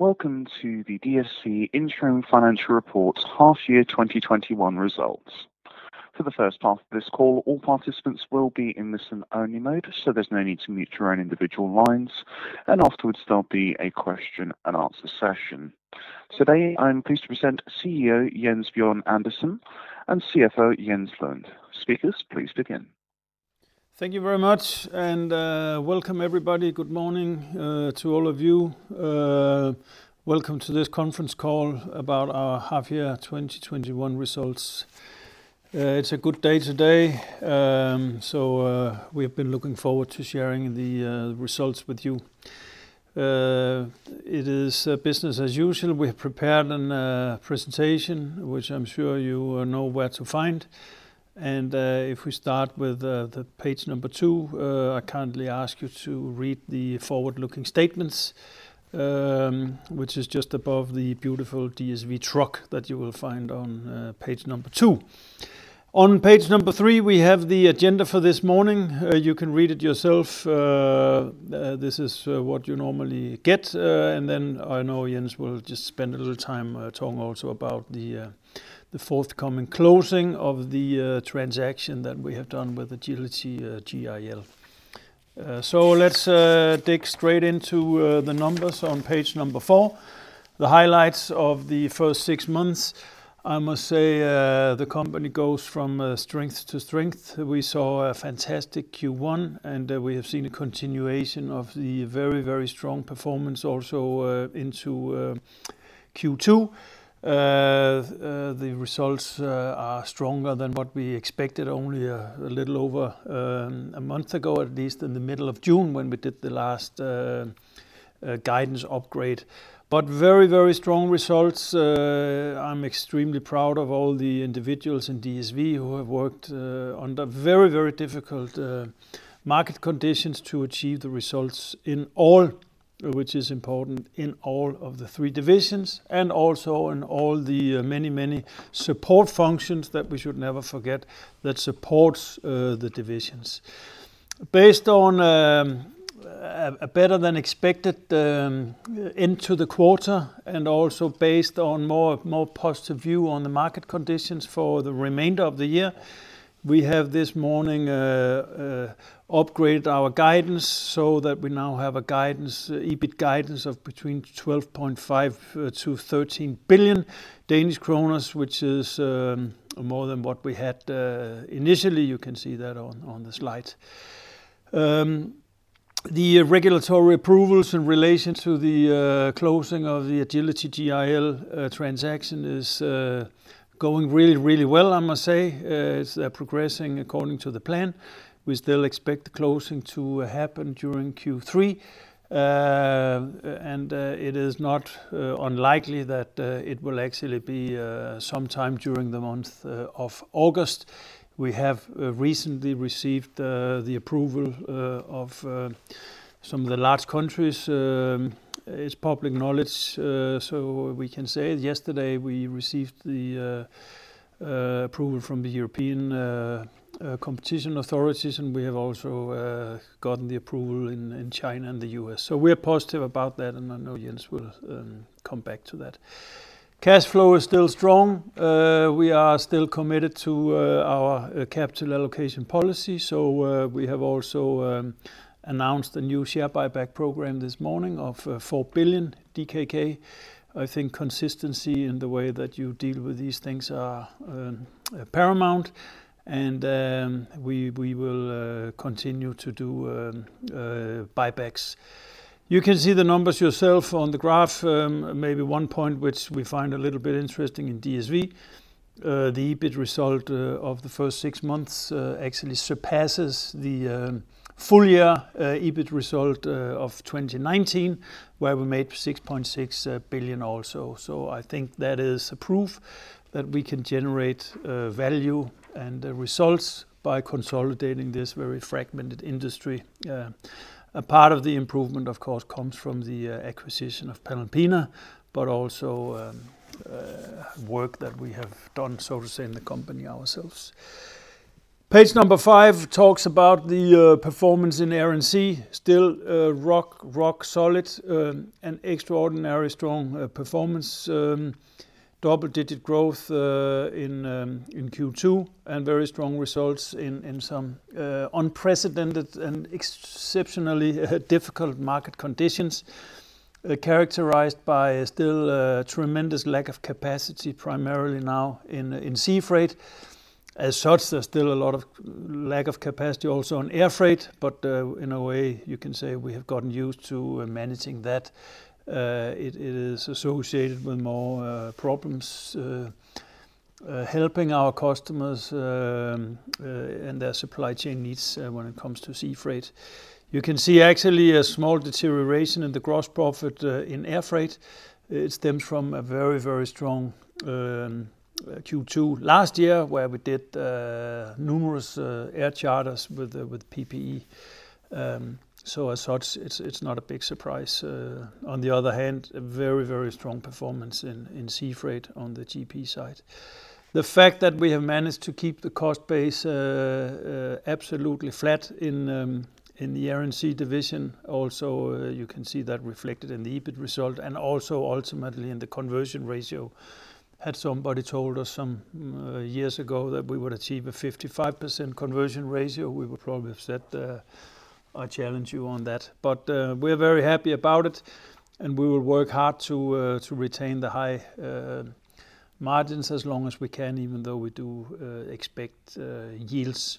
Welcome to the DSV Interim financial reports half year 2021 Results. For the first half of this call, all participants will be in listen-only mode, so there's no need to mute your own individual lines, and afterwards there'll be a question and answer session. Today, I am pleased to present CEO, Jens Bjørn Andersen, and CFO, Jens Lund. Speakers, please begin. Thank you very much. Welcome everybody. Good morning to all of you. Welcome to this conference call about our half year 2021 results. It's a good day today, so we have been looking forward to sharing the results with you. It is business as usual. We have prepared a presentation, which I'm sure you know where to find. If we start with the page number two, I kindly ask you to read the forward-looking statements, which is just above the beautiful DSV truck that you will find on page number two. On page number three, we have the agenda for this morning. You can read it yourself. This is what you normally get. Then I know Jens will just spend a little time talking also about the forthcoming closing of the transaction that we have done with Agility GIL. Let's dig straight into the numbers on page number four, the highlights of the first six months. I must say, the company goes from strength to strength. We saw a fantastic Q1, and we have seen a continuation of the very, very strong performance also into Q2. The results are stronger than what we expected only a little over a month ago, at least in the middle of June when we did the last guidance upgrade. Very, very strong results. I'm extremely proud of all the individuals in DSV who have worked under very, very difficult market conditions to achieve the results, which is important, in all of the three divisions and also in all the many, many support functions that we should never forget that supports the divisions. Based on a better-than-expected into the quarter, and also based on more positive view on the market conditions for the remainder of the year, we have this morning upgraded our guidance so that we now have an EBIT guidance of between 12.5 billion-13 billion Danish kroner, which is more than what we had initially. You can see that on the slide. The regulatory approvals in relation to the closing of the Agility GIL transaction is going really well, I must say. It's progressing according to the plan. We still expect the closing to happen during Q3. It is not unlikely that it will actually be sometime during the month of August. We have recently received the approval of some of the large countries. It's public knowledge, we can say yesterday we received the approval from the European competition authorities, and we have also gotten the approval in China and the U.S. We're positive about that, and I know Jens will come back to that. Cash flow is still strong. We are still committed to our capital allocation policy, so we have also announced a new share buyback program this morning of 4 billion DKK. I think consistency in the way that you deal with these things are paramount, and we will continue to do buybacks. You can see the numbers yourself on the graph. Maybe one point which we find a little bit interesting in DSV, the EBIT result of the first six months actually surpasses the full year EBIT result of 2019, where we made 6.6 billion also. I think that is a proof that we can generate value and results by consolidating this very fragmented industry. A part of the improvement, of course, comes from the acquisition of Panalpina, but also work that we have done, so to say, in the company ourselves. Page number five talks about the performance in Air & Sea. Still rock solid, an extraordinarily strong performance. Double-digit growth in Q2, and very strong results in some unprecedented and exceptionally difficult market conditions, characterized by still a tremendous lack of capacity, primarily now in sea freight. As such, there's still a lot of lack of capacity also on air freight, but in a way you can say we have gotten used to managing that. It is associated with more problems helping our customers and their supply chain needs when it comes to sea freight. You can see actually a small deterioration in the gross profit in air freight. It stems from a very, very strong Q2 last year, where we did numerous air charters with PPE. As such, it's not a big surprise. On the other hand, a very, very strong performance in sea freight on the GP side. The fact that we have managed to keep the cost base absolutely flat in the Air & Sea division, also you can see that reflected in the EBIT result and also ultimately in the conversion ratio. Had somebody told us some years ago that we would achieve a 55% conversion ratio, we would probably have said, "I challenge you on that." We're very happy about it, and we will work hard to retain the high margins as long as we can, even though we do expect yields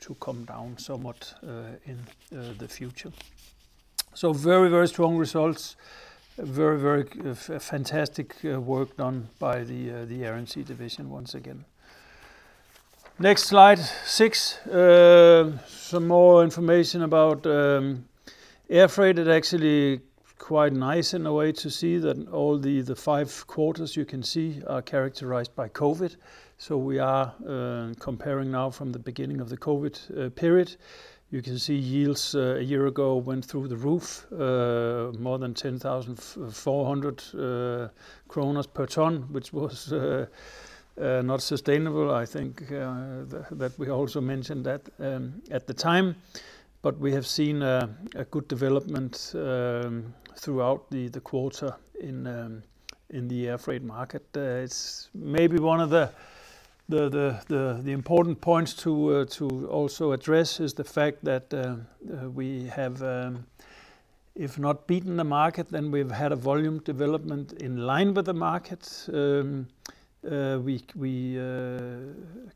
to come down somewhat in the future. Very, very strong results. Very, very fantastic work done by the Air & Sea Division once again. Next, slide six. Some more information about air freight. It actually quite nice in a way to see that all the five quarters you can see are characterized by COVID. We are comparing now from the beginning of the COVID period. You can see yields a year ago went through the roof, more than 10,400 kroner per ton, which was not sustainable. I think that we also mentioned that at the time. We have seen a good development throughout the quarter in the air freight market. Maybe one of the important points to also address is the fact that we have, if not beaten the market, then we've had a volume development in line with the market. We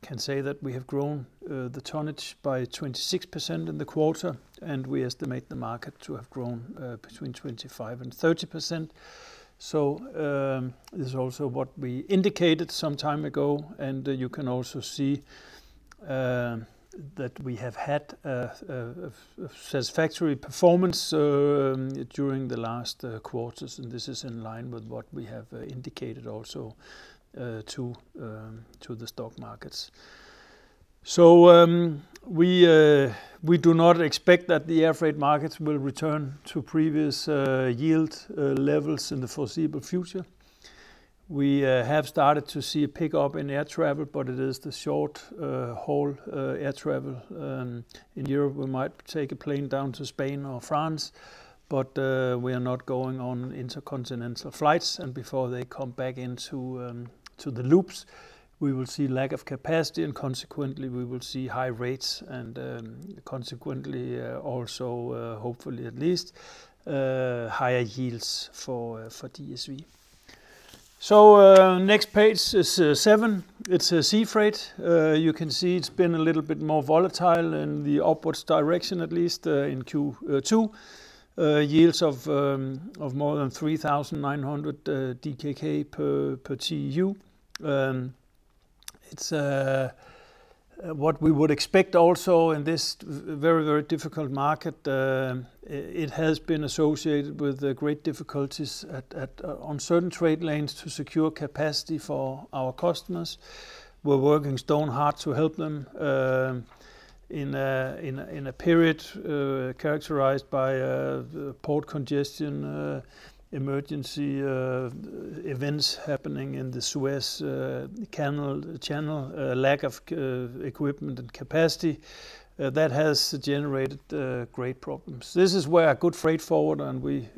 can say that we have grown the tonnage by 26% in the quarter, and we estimate the market to have grown between 25% and 30%. This is also what we indicated some time ago, and you can also see that we have had a satisfactory performance during the last quarters, and this is in line with what we have indicated also to the stock markets. We do not expect that the air freight markets will return to previous yield levels in the foreseeable future. We have started to see a pickup in air travel, but it is the short-haul air travel. In Europe, we might take a plane down to Spain or France, but we are not going on intercontinental flights, and before they come back into the loops, we will see lack of capacity and consequently, we will see high rates and consequently also, hopefully at least, higher yields for DSV. Next page is. It's sea freight. You can see it's been a little bit more volatile in the upwards direction, at least in Q2. Yields of more than 3,900 DKK per TEU. It's what we would expect also in this very, very difficult market. It has been associated with great difficulties on certain trade lanes to secure capacity for our customers. We're working stone hard to help them, in a period characterized by port congestion, emergency events happening in the Suez Canal, lack of equipment and capacity. That has generated great problems. This is where a good freight forwarder, and we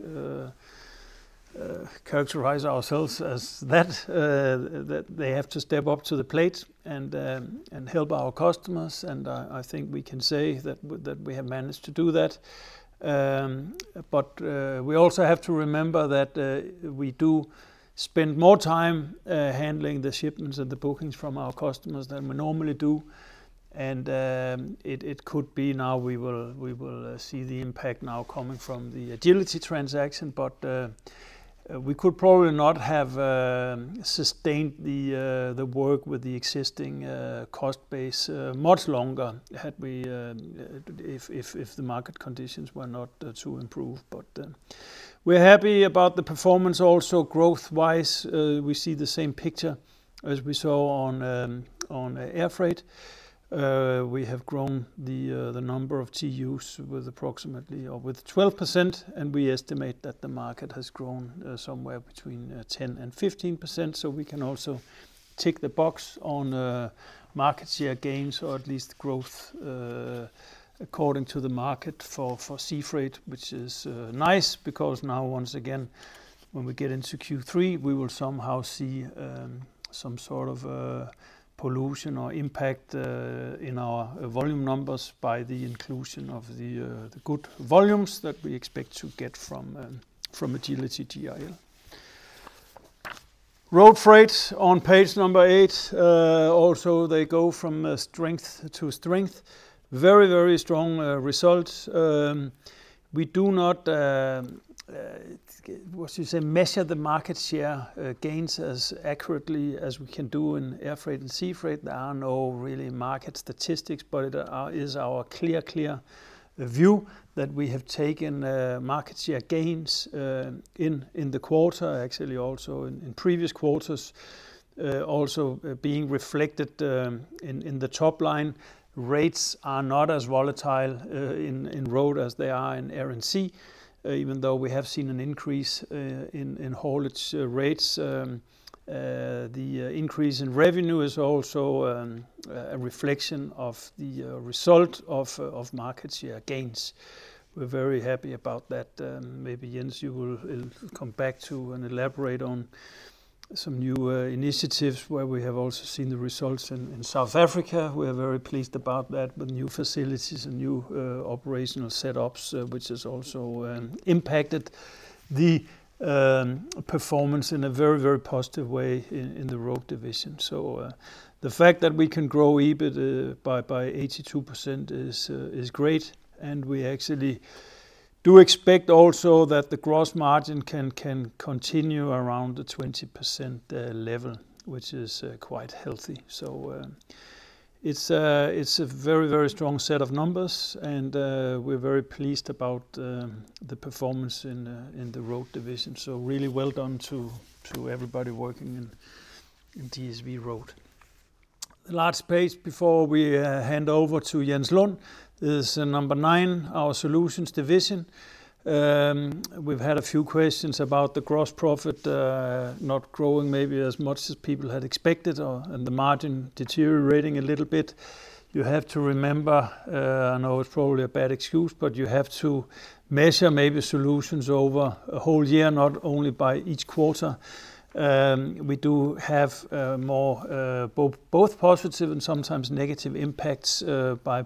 characterize ourselves as that they have to step up to the plate and help our customers. I think we can say that we have managed to do that. We also have to remember that we do spend more time handling the shipments and the bookings from our customers than we normally do. It could be now we will see the impact now coming from the Agility transaction. We could probably not have sustained the work with the existing cost base much longer if the market conditions were not to improve. We're happy about the performance also growth-wise. We see the same picture as we saw on air freight. We have grown the number of TEUs with approximately or with 12%, and we estimate that the market has grown somewhere between 10% and 15%. We can also tick the box on market share gains or at least growth according to the market for sea freight, which is nice because now, once again, when we get into Q3, we will somehow see some sort of pollution or impact in our volume numbers by the inclusion of the good volumes that we expect to get from Agility/GIL. Road freight on page eight. They go from strength to strength. Very strong results. We do not, what you say, measure the market share gains as accurately as we can do in air freight and sea freight. There are no really market statistics, it is our clear view that we have taken market share gains in the quarter, actually also in previous quarters, also being reflected in the top line. Rates are not as volatile in Road as they are in Air & Sea, even though we have seen an increase in haulage rates. The increase in revenue is also a reflection of the result of market share gains. We're very happy about that. Maybe, Jens, you will come back to and elaborate on some new initiatives where we have also seen the results in South Africa. We are very pleased about that, with new facilities and new operational setups, which has also impacted the performance in a very positive way in the Road division. The fact that we can grow EBIT by 82% is great, and we actually do expect also that the gross margin can continue around the 20% level, which is quite healthy. It's a very strong set of numbers, and we're very pleased about the performance in the Road division. Really well done to everybody working in DSV Road. The last page before we hand over to Jens Lund is number nine, our Solutions division. We've had a few questions about the gross profit not growing maybe as much as people had expected or, and the margin deteriorating a little bit. You have to remember, I know it's probably a bad excuse, but you have to measure maybe Solutions over a whole year, not only by each quarter. We do have more both positive and sometimes negative impacts by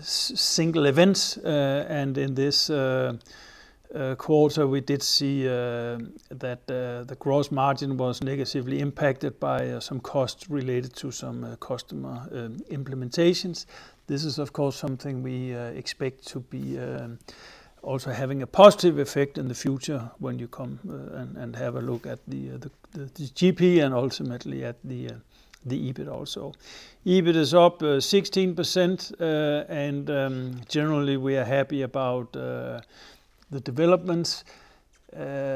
single events. In this quarter, we did see that the gross margin was negatively impacted by some costs related to some customer implementations. This is, of course, something we expect to be also having a positive effect in the future when you come and have a look at the GP and ultimately at the EBIT also. EBIT is up 16% and generally, we are happy about the developments.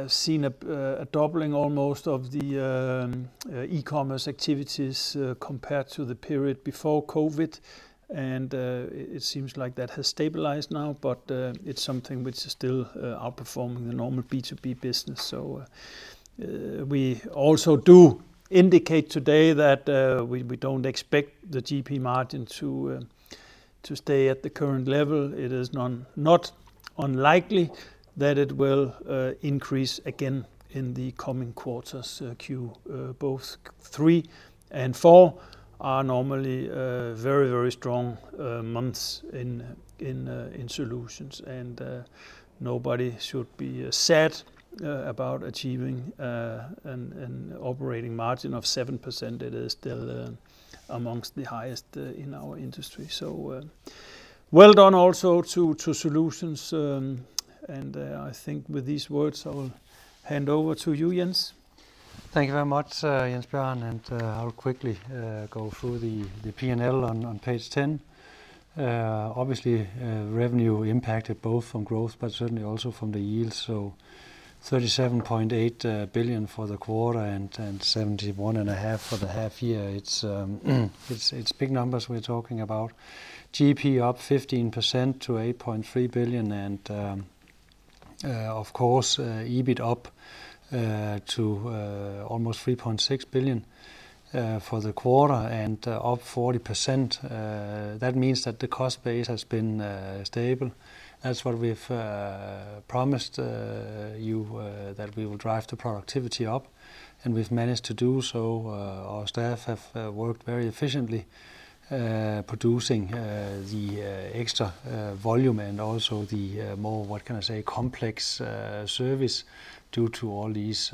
Seen a doubling almost of the e-commerce activities compared to the period before COVID, and it seems like that has stabilized now. It's something which is still outperforming the normal B2B business. We also do indicate today that we don't expect the GP margin to stay at the current level. It is not unlikely that it will increase again in the coming quarters. Both Q3 and Q4 are normally very strong months in Solutions, and nobody should be sad about achieving an operating margin of 7%. It is still amongst the highest in our industry. Well done also to Solutions, and I think with these words, I will hand over to you, Jens. Thank you very much, Jens Bjørn. I'll quickly go through the P&L on page 10. Obviously, revenue impacted both from growth but certainly also from the yield. 37.8 billion for the quarter and 71.5 billion for the half year. It's big numbers we're talking about. GP up 15% to 8.3 billion. Of course, EBIT up to almost 3.6 billion for the quarter and up 40%. That means that the cost base has been stable. That's what we've promised you, that we will drive the productivity up. We've managed to do so. Our staff have worked very efficiently producing the extra volume and also the more, what can I say, complex service due to all these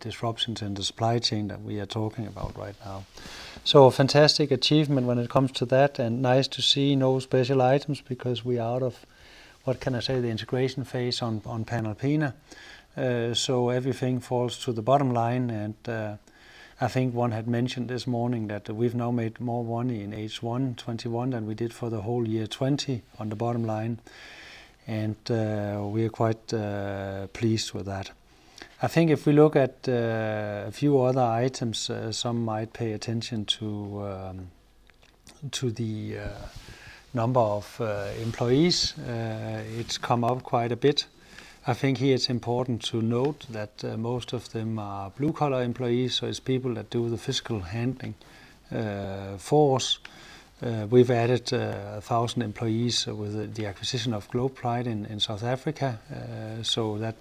disruptions in the supply chain that we are talking about right now. A fantastic achievement when it comes to that and nice to see no special items because we are out of, what can I say? The integration phase on Panalpina. Everything falls to the bottom line and I think one had mentioned this morning that we've now made more money in H1 2021 than we did for the whole year 2020 on the bottom line, and we are quite pleased with that. If we look at a few other items, some might pay attention to the number of employees. It's come up quite a bit. Here it's important to note that most of them are blue-collar employees, so it's people that do the physical handling force. We've added 1,000 employees with the acquisition of Globeflight in South Africa, so that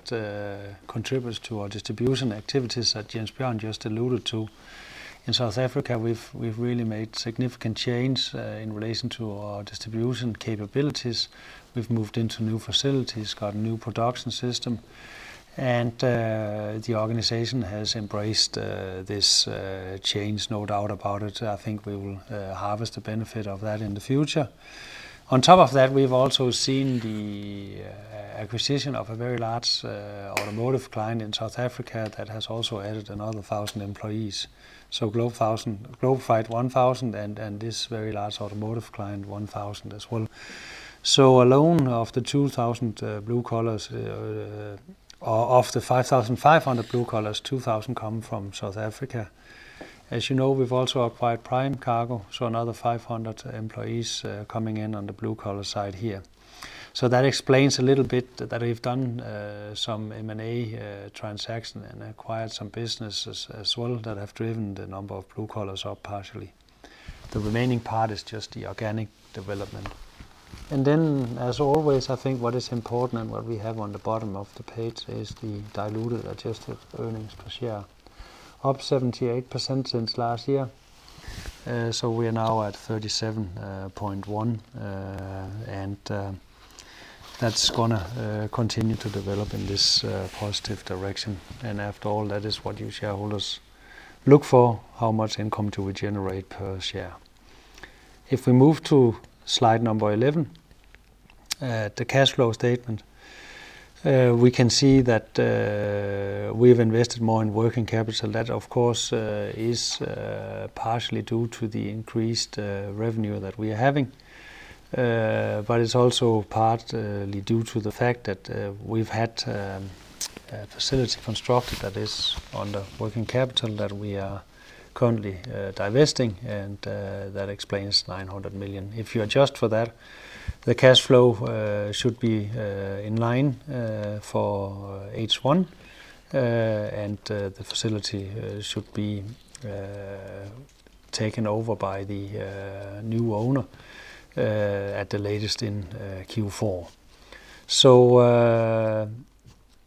contributes to our distribution activities that Jens Bjørn just alluded to. In South Africa, we've really made significant changes in relation to our distribution capabilities. We've moved into new facilities, got a new production system, and the organization has embraced this change, no doubt about it. I think we will harvest the benefit of that in the future. On top of that, we've also seen the acquisition of a very large automotive client in South Africa that has also added another 1,000 employees. Globeflight 1,000 and this very large automotive client, 1,000 as well. Alone, of the 5,500 blue collars, 2,000 come from South Africa. As you know, we've also acquired Prime Cargo, another 500 employees coming in on the blue-collar side here. That explains a little bit that we've done some M&A transaction and acquired some businesses as well that have driven the number of blue collars up partially. The remaining part is just the organic development. As always, I think what is important and what we have on the bottom of the page is the diluted adjusted earnings per share, up 78% since last year. We are now at 37.1, and that's going to continue to develop in this positive direction. After all, that is what you shareholders look for, how much income do we generate per share. If we move to slide number 11, the cash flow statement. We can see that we've invested more in working capital. That, of course, is partially due to the increased revenue that we are having. It's also partly due to the fact that we've had a facility constructed that is under working capital that we are currently divesting, and that explains 900 million. If you adjust for that, the cash flow should be in line for H1, and the facility should be taken over by the new owner at the latest in Q4.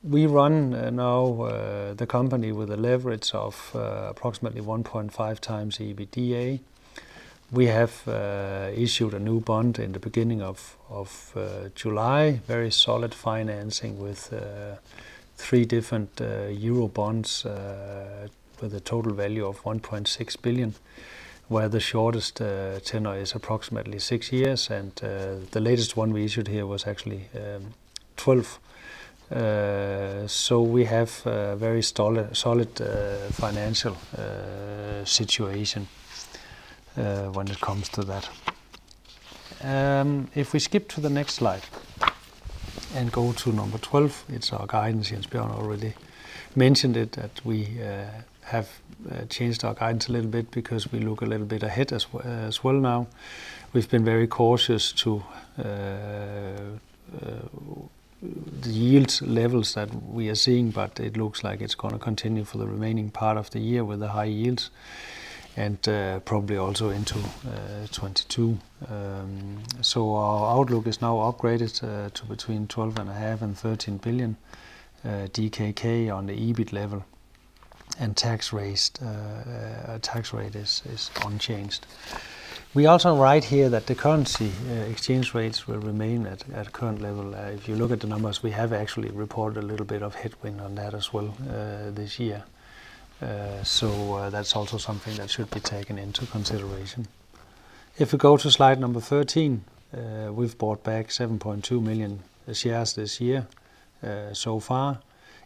We run now the company with a leverage of approximately 1.5x EBITDA. We have issued a new bond in the beginning of July. Very solid financing with three different euro bonds with a total value of 1.6 billion, where the shortest tenure is approximately six years. The latest one we issued here was actually 12. We have a very solid financial situation when it comes to that. If we skip to the next slide and go to number 12, it's our guidance. Jens Bjørn already mentioned it, that we have changed our guidance a little bit because we look a little bit ahead as well now. We've been very cautious to the yield levels that we are seeing. It looks like it's going to continue for the remaining part of the year with the high yields, and probably also into 2022. Our outlook is now upgraded to between 12.5 billion and 13 billion DKK on the EBIT level, and tax rate is unchanged. We also write here that the currency exchange rates will remain at current level. If you look at the numbers, we have actually reported a little bit of headwind on that as well this year. That's also something that should be taken into consideration. If we go to slide number 13, we've bought back 7.2 million shares this year so far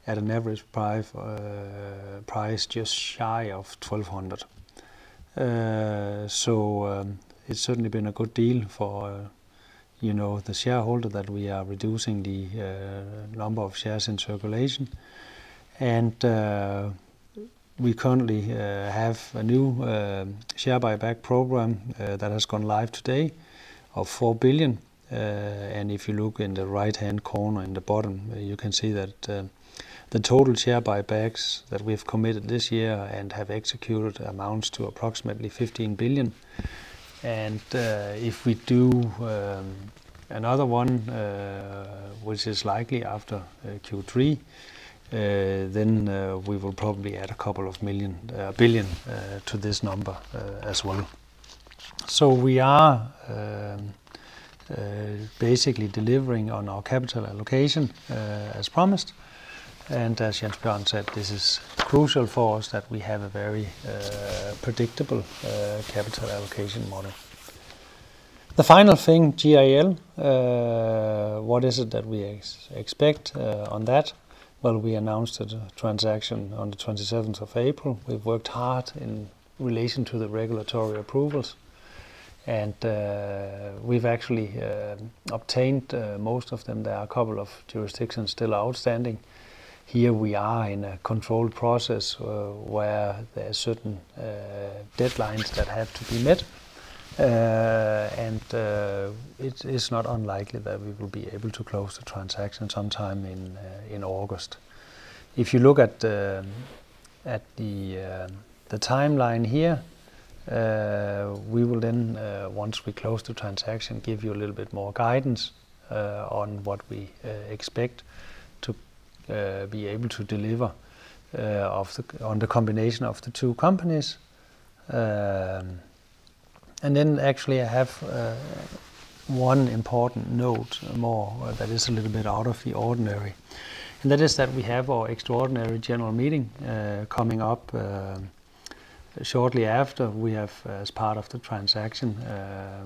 at an average price just shy of 1,200. It's certainly been a good deal for the shareholder that we are reducing the number of shares in circulation. We currently have a new share buyback program that has gone live today of 4 billion. If you look in the right-hand corner in the bottom, you can see that the total share buybacks that we've committed this year and have executed amounts to approximately 15 billion. If we do another one, which is likely after Q3, we will probably add 2 billion to this number as well. We are basically delivering on our capital allocation as promised. As Jens Bjørn said, this is crucial for us that we have a very predictable capital allocation model. The final thing, GIL. What is it that we expect on that? We announced the transaction on the April 27th. We've worked hard in relation to the regulatory approvals, and we've actually obtained most of them. There are a couple of jurisdictions still outstanding. Here we are in a controlled process where there are certain deadlines that have to be met. It is not unlikely that we will be able to close the transaction sometime in August. If you look at the timeline here, we will then, once we close the transaction, give you a little bit more guidance on what we expect to be able to deliver on the combination of the two companies. Actually, I have one important note more that is a little bit out of the ordinary, and that is that we have our extraordinary general meeting coming up shortly after. We have, as part of the transaction,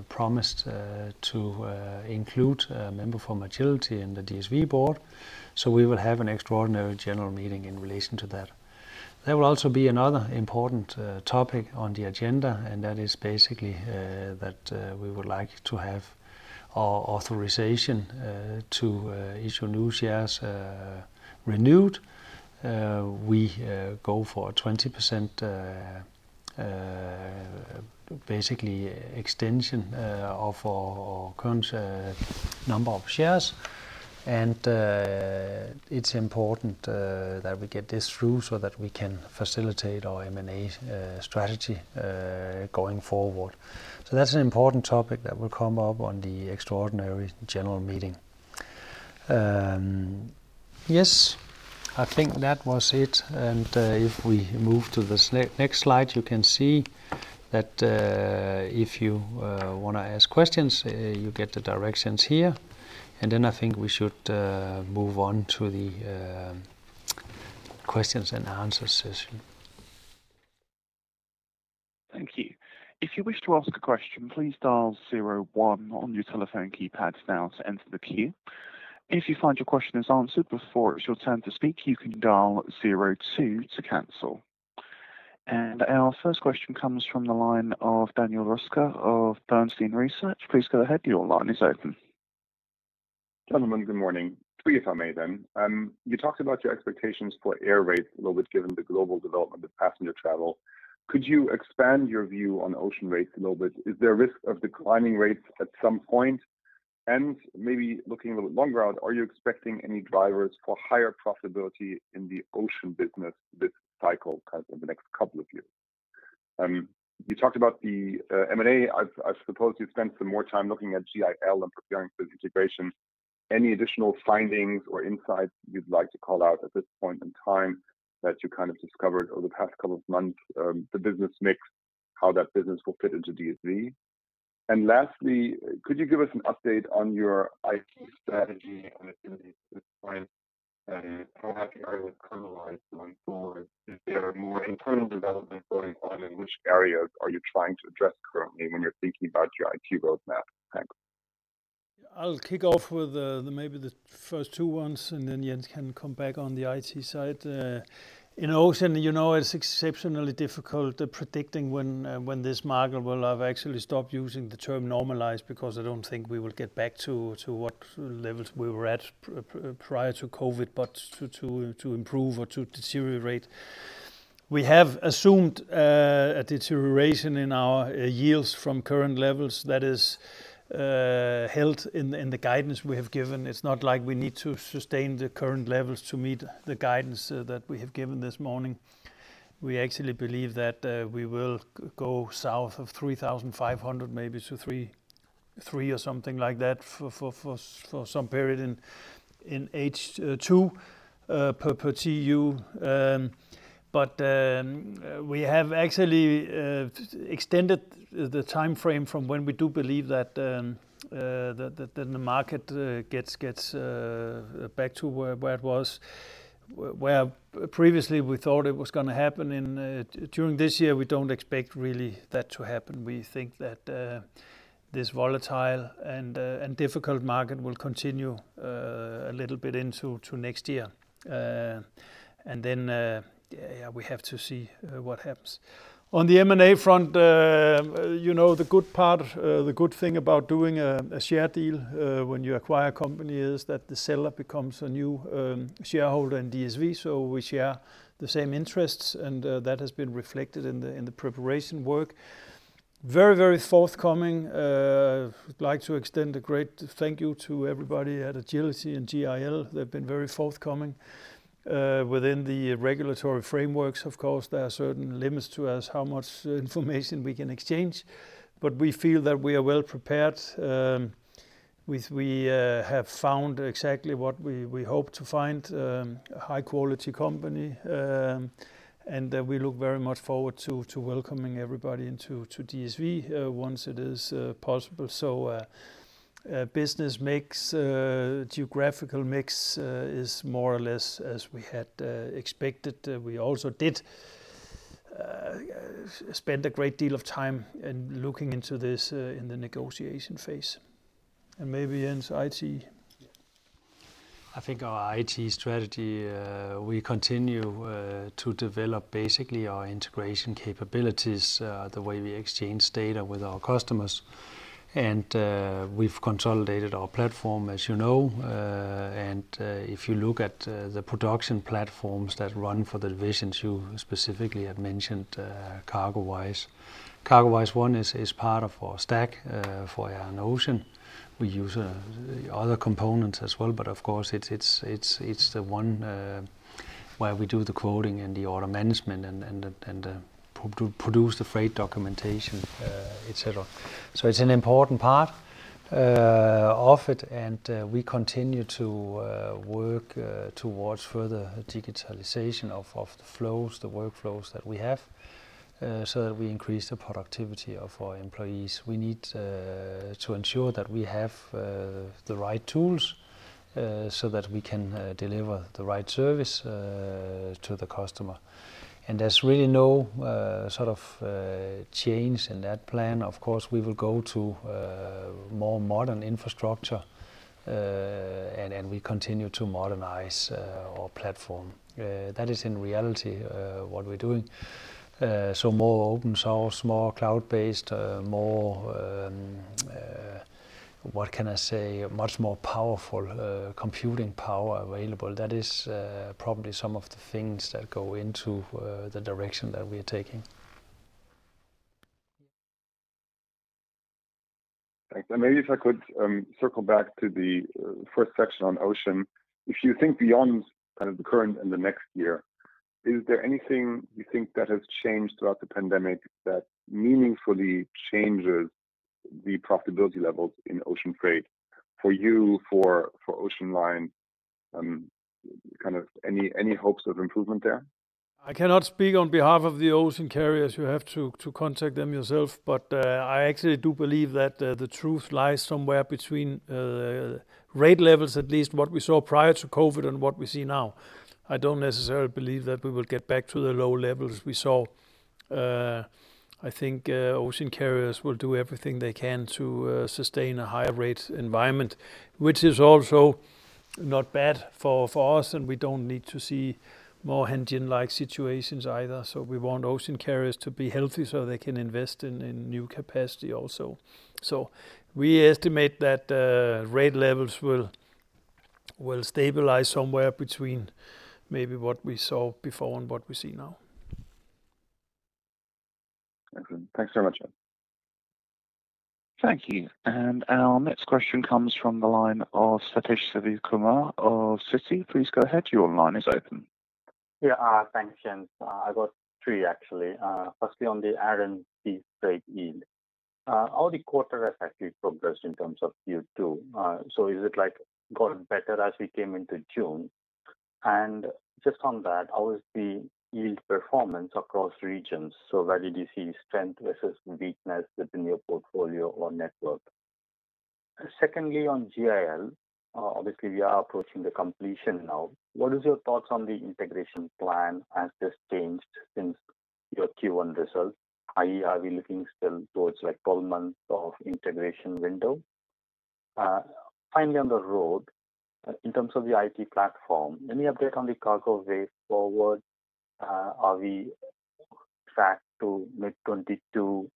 promised to include a member from Agility in the DSV board. We will have an extraordinary general meeting in relation to that. There will also be another important topic on the agenda, that is basically that we would like to have our authorization to issue new shares renewed. We go for a 20% basically extension of our current number of shares, it's important that we get this through so that we can facilitate our M&A strategy going forward. That's an important topic that will come up on the extraordinary general meeting. Yes. I think that was it. If we move to the next slide, you can see that if you want to ask questions, you get the directions here. I think we should move on to the questions and answers session. Thank you. If you wish to ask a question, please dial zero one on your telephone keypads now to enter the queue. If you find your question is answered before it's your turn to speak, you can dial zero two to cancel. Our first question comes from the line of Daniel Röska of Bernstein Research. Please go ahead. Your line is open. Gentlemen, good morning. Three, if I may then. You talked about your expectations for air rates a little bit, given the global development of passenger travel. Could you expand your view on ocean rates a little bit? Is there a risk of declining rates at some point? Maybe looking a little longer out, are you expecting any drivers for higher profitability in the ocean business this cycle, kind of in the next couple of years? You talked about the M&A. I suppose you've spent some more time looking at GIL and preparing for the integration. Any additional findings or insights you'd like to call out at this point in time that you kind of discovered over the past couple of months, the business mix, how that business will fit into DSV? Lastly, could you give us an update on your IT strategy and? How happy are you with CargoWise going forward? Is there more internal development going on, and which areas are you trying to address currently when you're thinking about your IT roadmap? Thanks. I'll kick off with maybe the first two ones, and then Jens can come back on the IT side. In Ocean, it's exceptionally difficult predicting when this market will have actually stopped using the term normalized, because I don't think we will get back to what levels we were at prior to COVID, but to improve or to deteriorate. We have assumed a deterioration in our yields from current levels that is held in the guidance we have given. It's not like we need to sustain the current levels to meet the guidance that we have given this morning. We actually believe that we will go south of 3,500, maybe to 3,000 or something like that for some period in H2 per TEU. We have actually extended the timeframe from when we do believe that the market gets back to where it was. Where previously we thought it was going to happen during this year, we don't expect really that to happen. We think that this volatile and difficult market will continue a little bit into next year. Yeah, we have to see what happens. On the M&A front, the good thing about doing a share deal when you acquire a company is that the seller becomes a new shareholder in DSV, so we share the same interests, and that has been reflected in the preparation work. Very forthcoming. I'd like to extend a great thank you to everybody at Agility and GIL. They've been very forthcoming. Within the regulatory frameworks, of course, there are certain limits to us how much information we can exchange. We feel that we are well prepared. We have found exactly what we hope to find, a high-quality company. We look very much forward to welcoming everybody into DSV once it is possible. Business mix, geographical mix is more or less as we had expected. We also did spend a great deal of time in looking into this in the negotiation phase. Maybe Jens, IT. I think our IT strategy, we continue to develop basically our integration capabilities, the way we exchange data with our customers. We've consolidated our platform, as you know. If you look at the production platforms that run for the divisions you specifically had mentioned, CargoWise. CargoWise One is part of our stack for Air and Ocean. We use other components as well, but of course, it's the one where we do the quoting and the order management and produce the freight documentation, et cetera. It's an important part of it, and we continue to work towards further digitalization of the flows, the workflows that we have, so that we increase the productivity of our employees. We need to ensure that we have the right tools so that we can deliver the right service to the customer. There's really no sort of change in that plan. Of course, we will go to more modern infrastructure, and we continue to modernize our platform. That is in reality what we're doing. More open source, more cloud-based, more, what can I say, much more powerful computing power available. That is probably some of the things that go into the direction that we're taking. Thanks. Maybe if I could circle back to the first section on Ocean. If you think beyond kind of the current and the next year. Is there anything you think that has changed throughout the Pandemic that meaningfully changes the profitability levels in ocean freight for you, for ocean liners? Any hopes of improvement there? I cannot speak on behalf of the ocean carriers. You have to contact them yourself. I actually do believe that the truth lies somewhere between rate levels, at least what we saw prior to COVID and what we see now. I don't necessarily believe that we will get back to the low levels we saw. I think ocean carriers will do everything they can to sustain a higher rate environment, which is also not bad for us, and we don't need to see more Hanjin-like situations either. We want ocean carriers to be healthy so they can invest in new capacity also. We estimate that rate levels will stabilize somewhere between maybe what we saw before and what we see now. Excellent. Thanks very much. Thank you. Our next question comes from the line of Sathish Sivakumar of Citi. Please go ahead. Thanks, Jens. I got three, actually. Firstly, on the Air & Sea freight yield. How the quarter has actually progressed in terms of Q2? Is it gotten better as we came into June? Just on that, how is the yield performance across regions? Where did you see strength versus weakness within your portfolio or network? Secondly, on GIL. Obviously, we are approaching the completion now. What is your thoughts on the integration plan? Has this changed since your Q1 results? I.e., are we looking still towards 12 months of integration window? Finally, on the Road. In terms of the IT platform, any update on the cargo way forward? Are we on track to mid-2022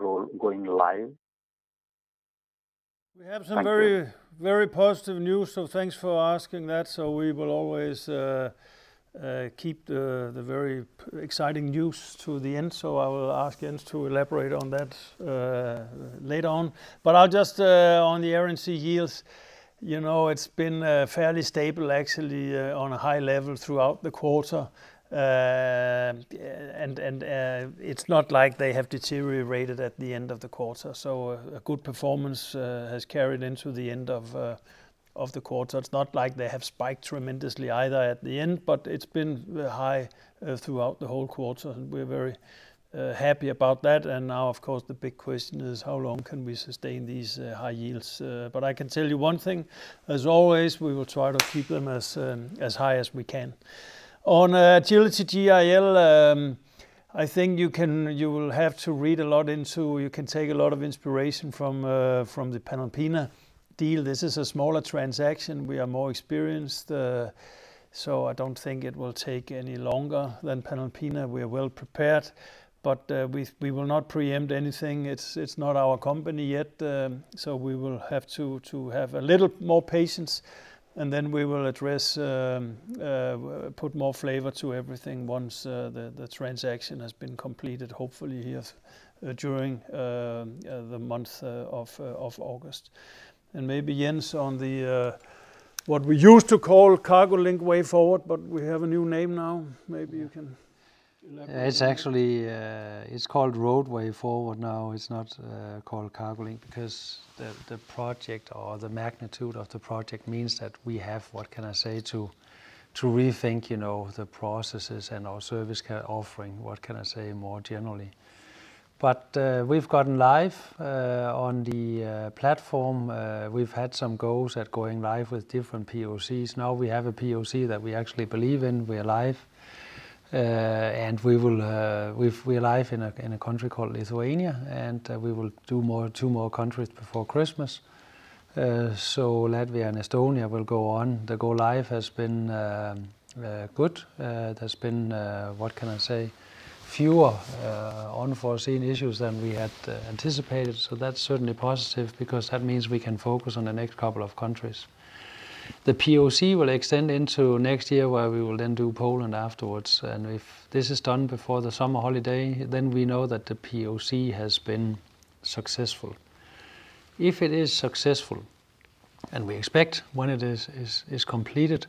Road going live? We have some very- Thank you. Very positive news. Thanks for asking that. We will always keep the very exciting news to the end. I will ask Jens to elaborate on that later on. I'll just, on the Air & Sea yields, it's been fairly stable, actually, on a high level throughout the quarter. It's not like they have deteriorated at the end of the quarter. A good performance has carried into the end of the quarter. It's not like they have spiked tremendously either at the end, but it's been high throughout the whole quarter, and we're very happy about that. Now, of course, the big question is how long can we sustain these high yields? I can tell you one thing, as always, we will try to keep them as high as we can. On Agility GIL, I think you will have to read a lot into, you can take a lot of inspiration from the Panalpina deal. This is a smaller transaction. We are more experienced, so I don't think it will take any longer than Panalpina. We are well-prepared, but we will not preempt anything. It's not our company yet, so we will have to have a little more patience, and then we will address, put more flavor to everything once the transaction has been completed, hopefully here during the month of August. Maybe, Jens, on the, what we used to call CargoLink Way Forward, but we have a new name now. Maybe you can elaborate. It's actually called Road Way Forward now. It's not called CargoLink because the project or the magnitude of the project means that we have to rethink the processes and our service offering more generally. We've gotten live on the platform. We've had some goes at going live with different POCs. Now we have a POC that we actually believe in. We are live. We're live in a country called Lithuania, and we will do two more countries before Christmas. Latvia and Estonia will go on. The go live has been good. There's been fewer unforeseen issues than we had anticipated, that's certainly positive because that means we can focus on the next couple of countries. The POC will extend into next year, where we will then do Poland afterwards. If this is done before the summer holiday, then we know that the POC has been successful. If it is successful, and we expect when it is completed,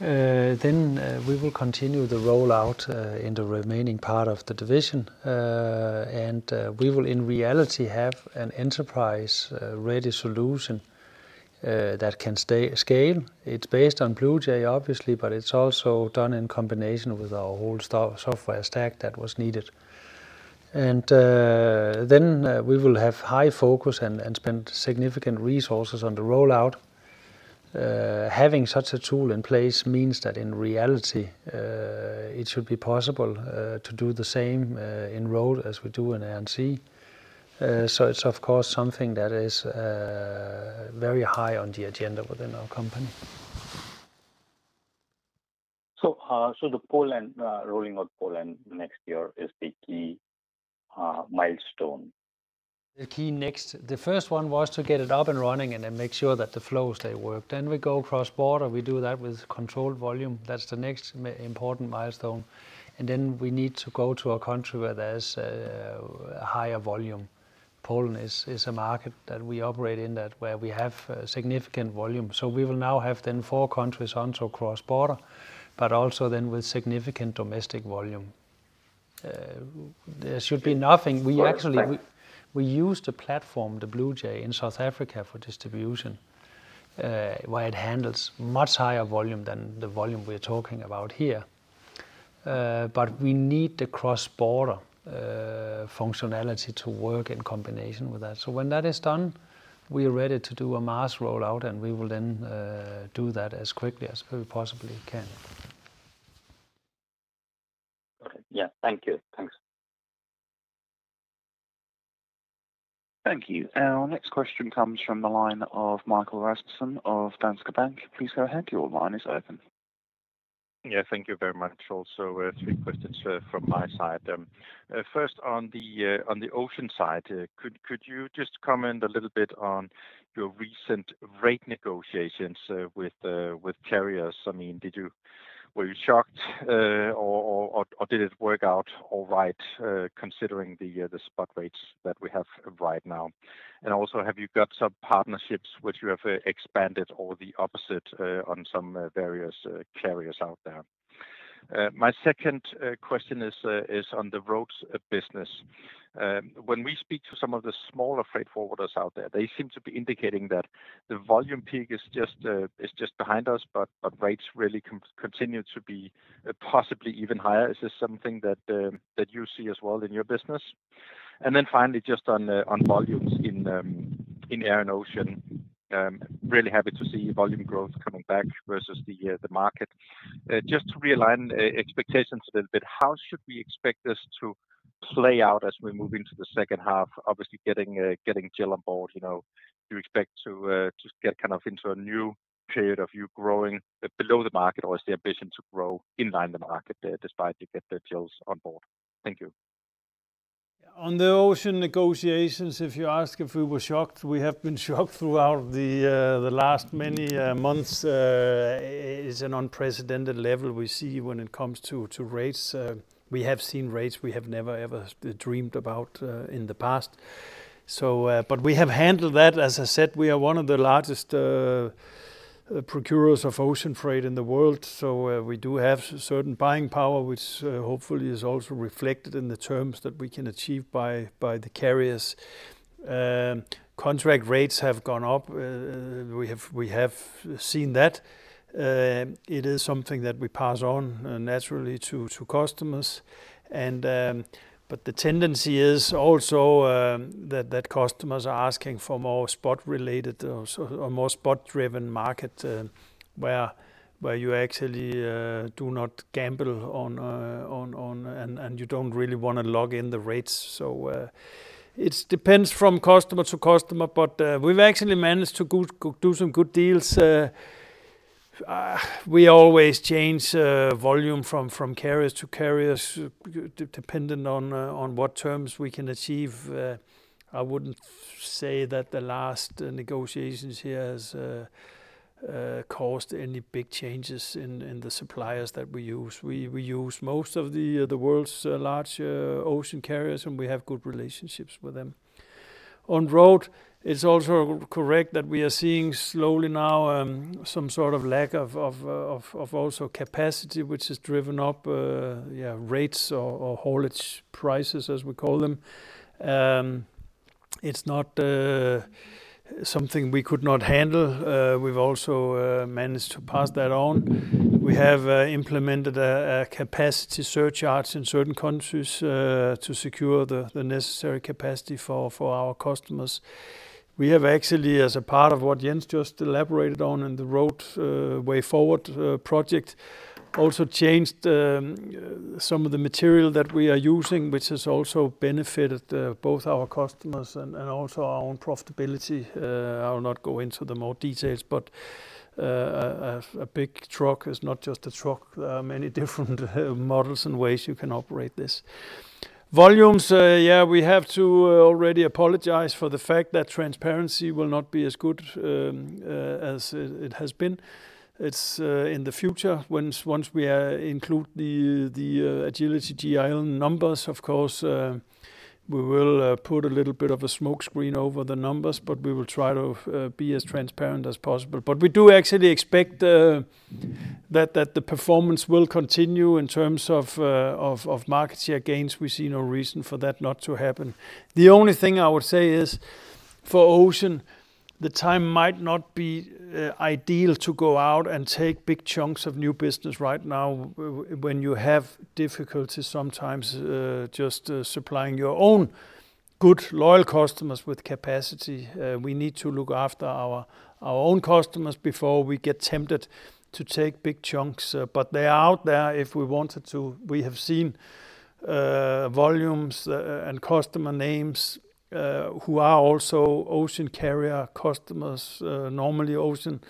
then we will continue the rollout in the remaining part of the division. We will, in reality, have an enterprise-ready solution that can scale. It's based on BluJay, obviously, but it's also done in combination with our whole software stack that was needed. Then we will have high focus and spend significant resources on the rollout. Having such a tool in place means that in reality, it should be possible to do the same in Road as we do in Air & Sea. It's, of course, something that is very high on the agenda within our company. The Poland, rolling out Poland next year is the key milestone. The key next. The first one was to get it up and running and then make sure that the flows they work. We go cross-border. We do that with controlled volume. That's the next important milestone. Then we need to go to a country where there's a higher volume. Poland is a market that we operate in that where we have significant volume. We will now have then four countries onto cross-border, but also then with significant domestic volume. There should be nothing. I expect- We use the platform, the BluJay, in South Africa for distribution, where it handles much higher volume than the volume we're talking about here. We need the cross-border functionality to work in combination with that. When that is done, we are ready to do a mass rollout, and we will then do that as quickly as we possibly can. Okay. Yeah. Thank you. Thanks. Thank you. Our next question comes from the line of Michael Rasmussen of Danske Bank. Please go ahead. Your line is open. Yeah. Thank you very much. Three questions from my side. First on the ocean side, could you just comment a little bit on your recent rate negotiations with carriers? Were you shocked or did it work out all right, considering the spot rates that we have right now? Have you got some partnerships which you have expanded or the opposite, on some various carriers out there? My second question is on the roads business. When we speak to some of the smaller freight forwarders out there, they seem to be indicating that the volume peak is just behind us, rates really continue to be possibly even higher. Is this something that you see as well in your business? Finally, just on volumes in air and ocean. Really happy to see volume growth coming back versus the market. Just to realign expectations a little bit, how should we expect this to play out as we move into the second half? Obviously getting GIL on board, do you expect to just get into a new period of you growing below the market, or is the ambition to grow in line with the market there, despite you get the GILs on board? Thank you. On the ocean negotiations, if you ask if we were shocked, we have been shocked throughout the last many months. It is an unprecedented level we see when it comes to rates. We have seen rates we have never, ever dreamed about in the past. We have handled that. As I said, we are one of the largest procurers of ocean freight in the world, we do have certain buying power, which hopefully is also reflected in the terms that we can achieve by the carriers. Contract rates have gone up. We have seen that. It is something that we pass on naturally to customers. The tendency is also that customers are asking for more spot-related or more spot-driven market, where you actually do not gamble, and you don't really want to log in the rates. It depends from customer to customer, but we've actually managed to do some good deals. We always change volume from carriers to carriers, dependent on what terms we can achieve. I wouldn't say that the last negotiations here has caused any big changes in the suppliers that we use. We use most of the world's large ocean carriers, and we have good relationships with them. On road, it's also correct that we are seeing slowly now some sort of lack of also capacity, which has driven up rates or haulage prices, as we call them. It's not something we could not handle. We've also managed to pass that on. We have implemented a capacity surcharge in certain countries to secure the necessary capacity for our customers. We have actually, as a part of what Jens just elaborated on in the Road Way Forward project, also changed some of the material that we are using, which has also benefited both our customers and also our own profitability. I will not go into the more details, but a big truck is not just a truck. There are many different models and ways you can operate this. Volumes, yeah, we have to already apologize for the fact that transparency will not be as good as it has been. It's in the future, once we include the Agility GIL numbers. Of course, we will put a little bit of a smoke screen over the numbers, but we will try to be as transparent as possible. We do actually expect that the performance will continue in terms of market share gains. We see no reason for that not to happen. The only thing I would say is, for ocean, the time might not be ideal to go out and take big chunks of new business right now, when you have difficulty sometimes just supplying your own good, loyal customers with capacity. We need to look after our own customers before we get tempted to take big chunks. They are out there if we wanted to. We have seen volumes and customer names who are also ocean carrier customers, normally ocean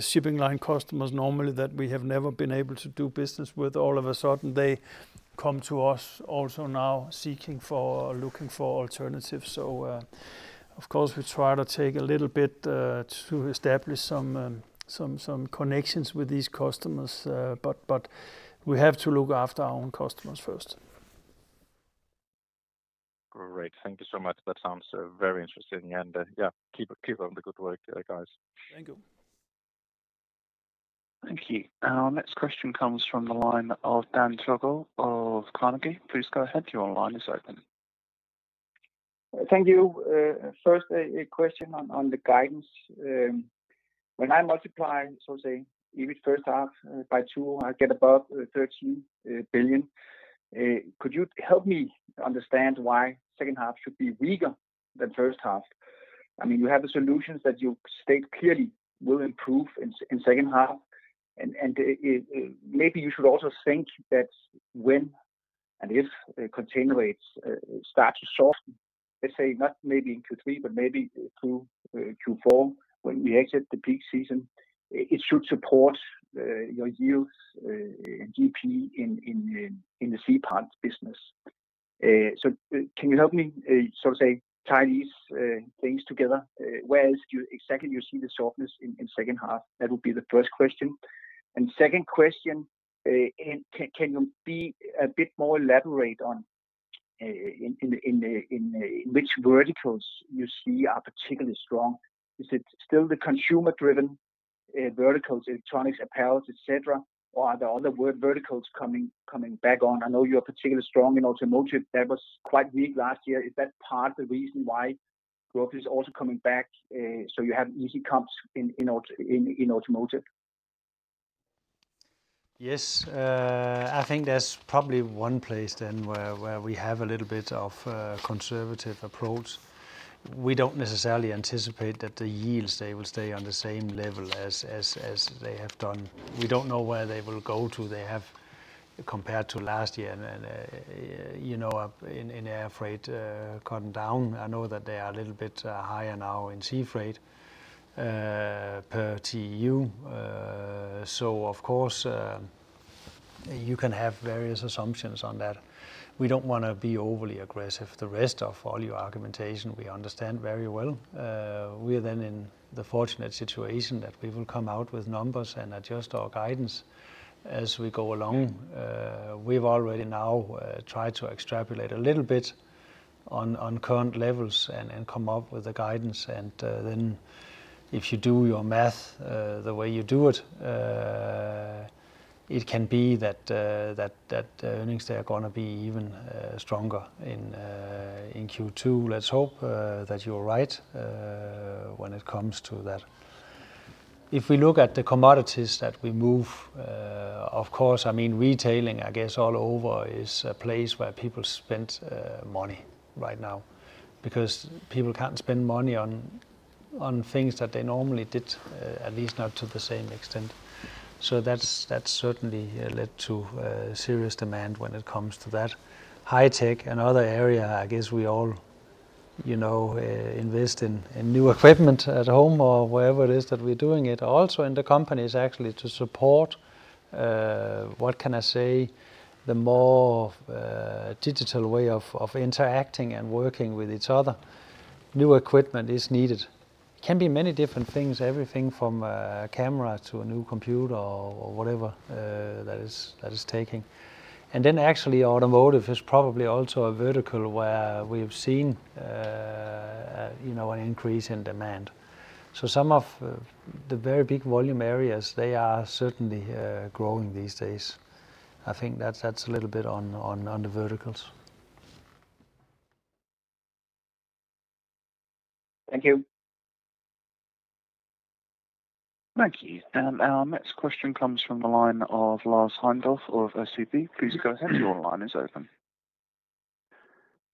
shipping line customers, normally, that we have never been able to do business with. All of a sudden, they come to us also now seeking for or looking for alternatives. Of course, we try to take a little bit to establish some connections with these customers. We have to look after our own customers first. Great. Thank you so much. That sounds very interesting. Yeah, keep up the good work there, guys. Thank you. Thank you. Our next question comes from the line of Dan Togo of Carnegie. Please go ahead. Your line is open. Thank you. First, a question on the guidance. When I multiply, so say, even first half by two, I get above 13 billion. Could you help me understand why second half should be weaker than first half? You have the Solutions that you state clearly will improve in second half, and maybe you should also think that when and if container rates start to soften, let's say not maybe in Q3, but maybe through Q4, when we exit the peak season, it should support your yields and GP in the sea part business. Can you help me, so say, tie these things together? Where else exactly do you see the softness in second half? That would be the first question. Second question, can you be a bit more elaborate on in which verticals you see are particularly strong? Is it still the consumer-driven verticals, electronics, apparels, et cetera, or are there other verticals coming back on? I know you are particularly strong in automotive. That was quite weak last year. Is that part of the reason why growth is also coming back, so you have easy comps in automotive? Yes. I think that's probably one place then where we have a little bit of a conservative approach. We don't necessarily anticipate that the yields, they will stay on the same level as they have done. We don't know where they will go to. They have, compared to last year, and in air freight, gone down. I know that they are a little bit higher now in sea freight, per TEU. Of course, you can have various assumptions on that. We don't want to be overly aggressive. The rest of all your argumentation, we understand very well. We are then in the fortunate situation that we will come out with numbers and adjust our guidance as we go along. Yeah. We've already now tried to extrapolate a little bit on current levels and come up with a guidance. Then if you do your math the way you do it can be that earnings, they are going to be even stronger in Q2. Let's hope that you're right when it comes to that. If we look at the commodities that we move, of course, retailing, I guess all over is a place where people spend money right now, because people can't spend money on things that they normally did, at least not to the same extent. That's certainly led to serious demand when it comes to that. High tech and other area, I guess we all invest in new equipment at home or wherever it is that we're doing it. In the companies actually to support, what can I say, the more digital way of interacting and working with each other. New equipment is needed. It can be many different things. Everything from a camera to a new computer or whatever that is taking. Then actually, automotive is probably also a vertical where we've seen an increase in demand. Some of the very big volume areas, they are certainly growing these days. I think that's a little bit on the verticals. Thank you. Thank you. Our next question comes from the line of Lars Heindorff of SEB. Please go ahead. Your line is open.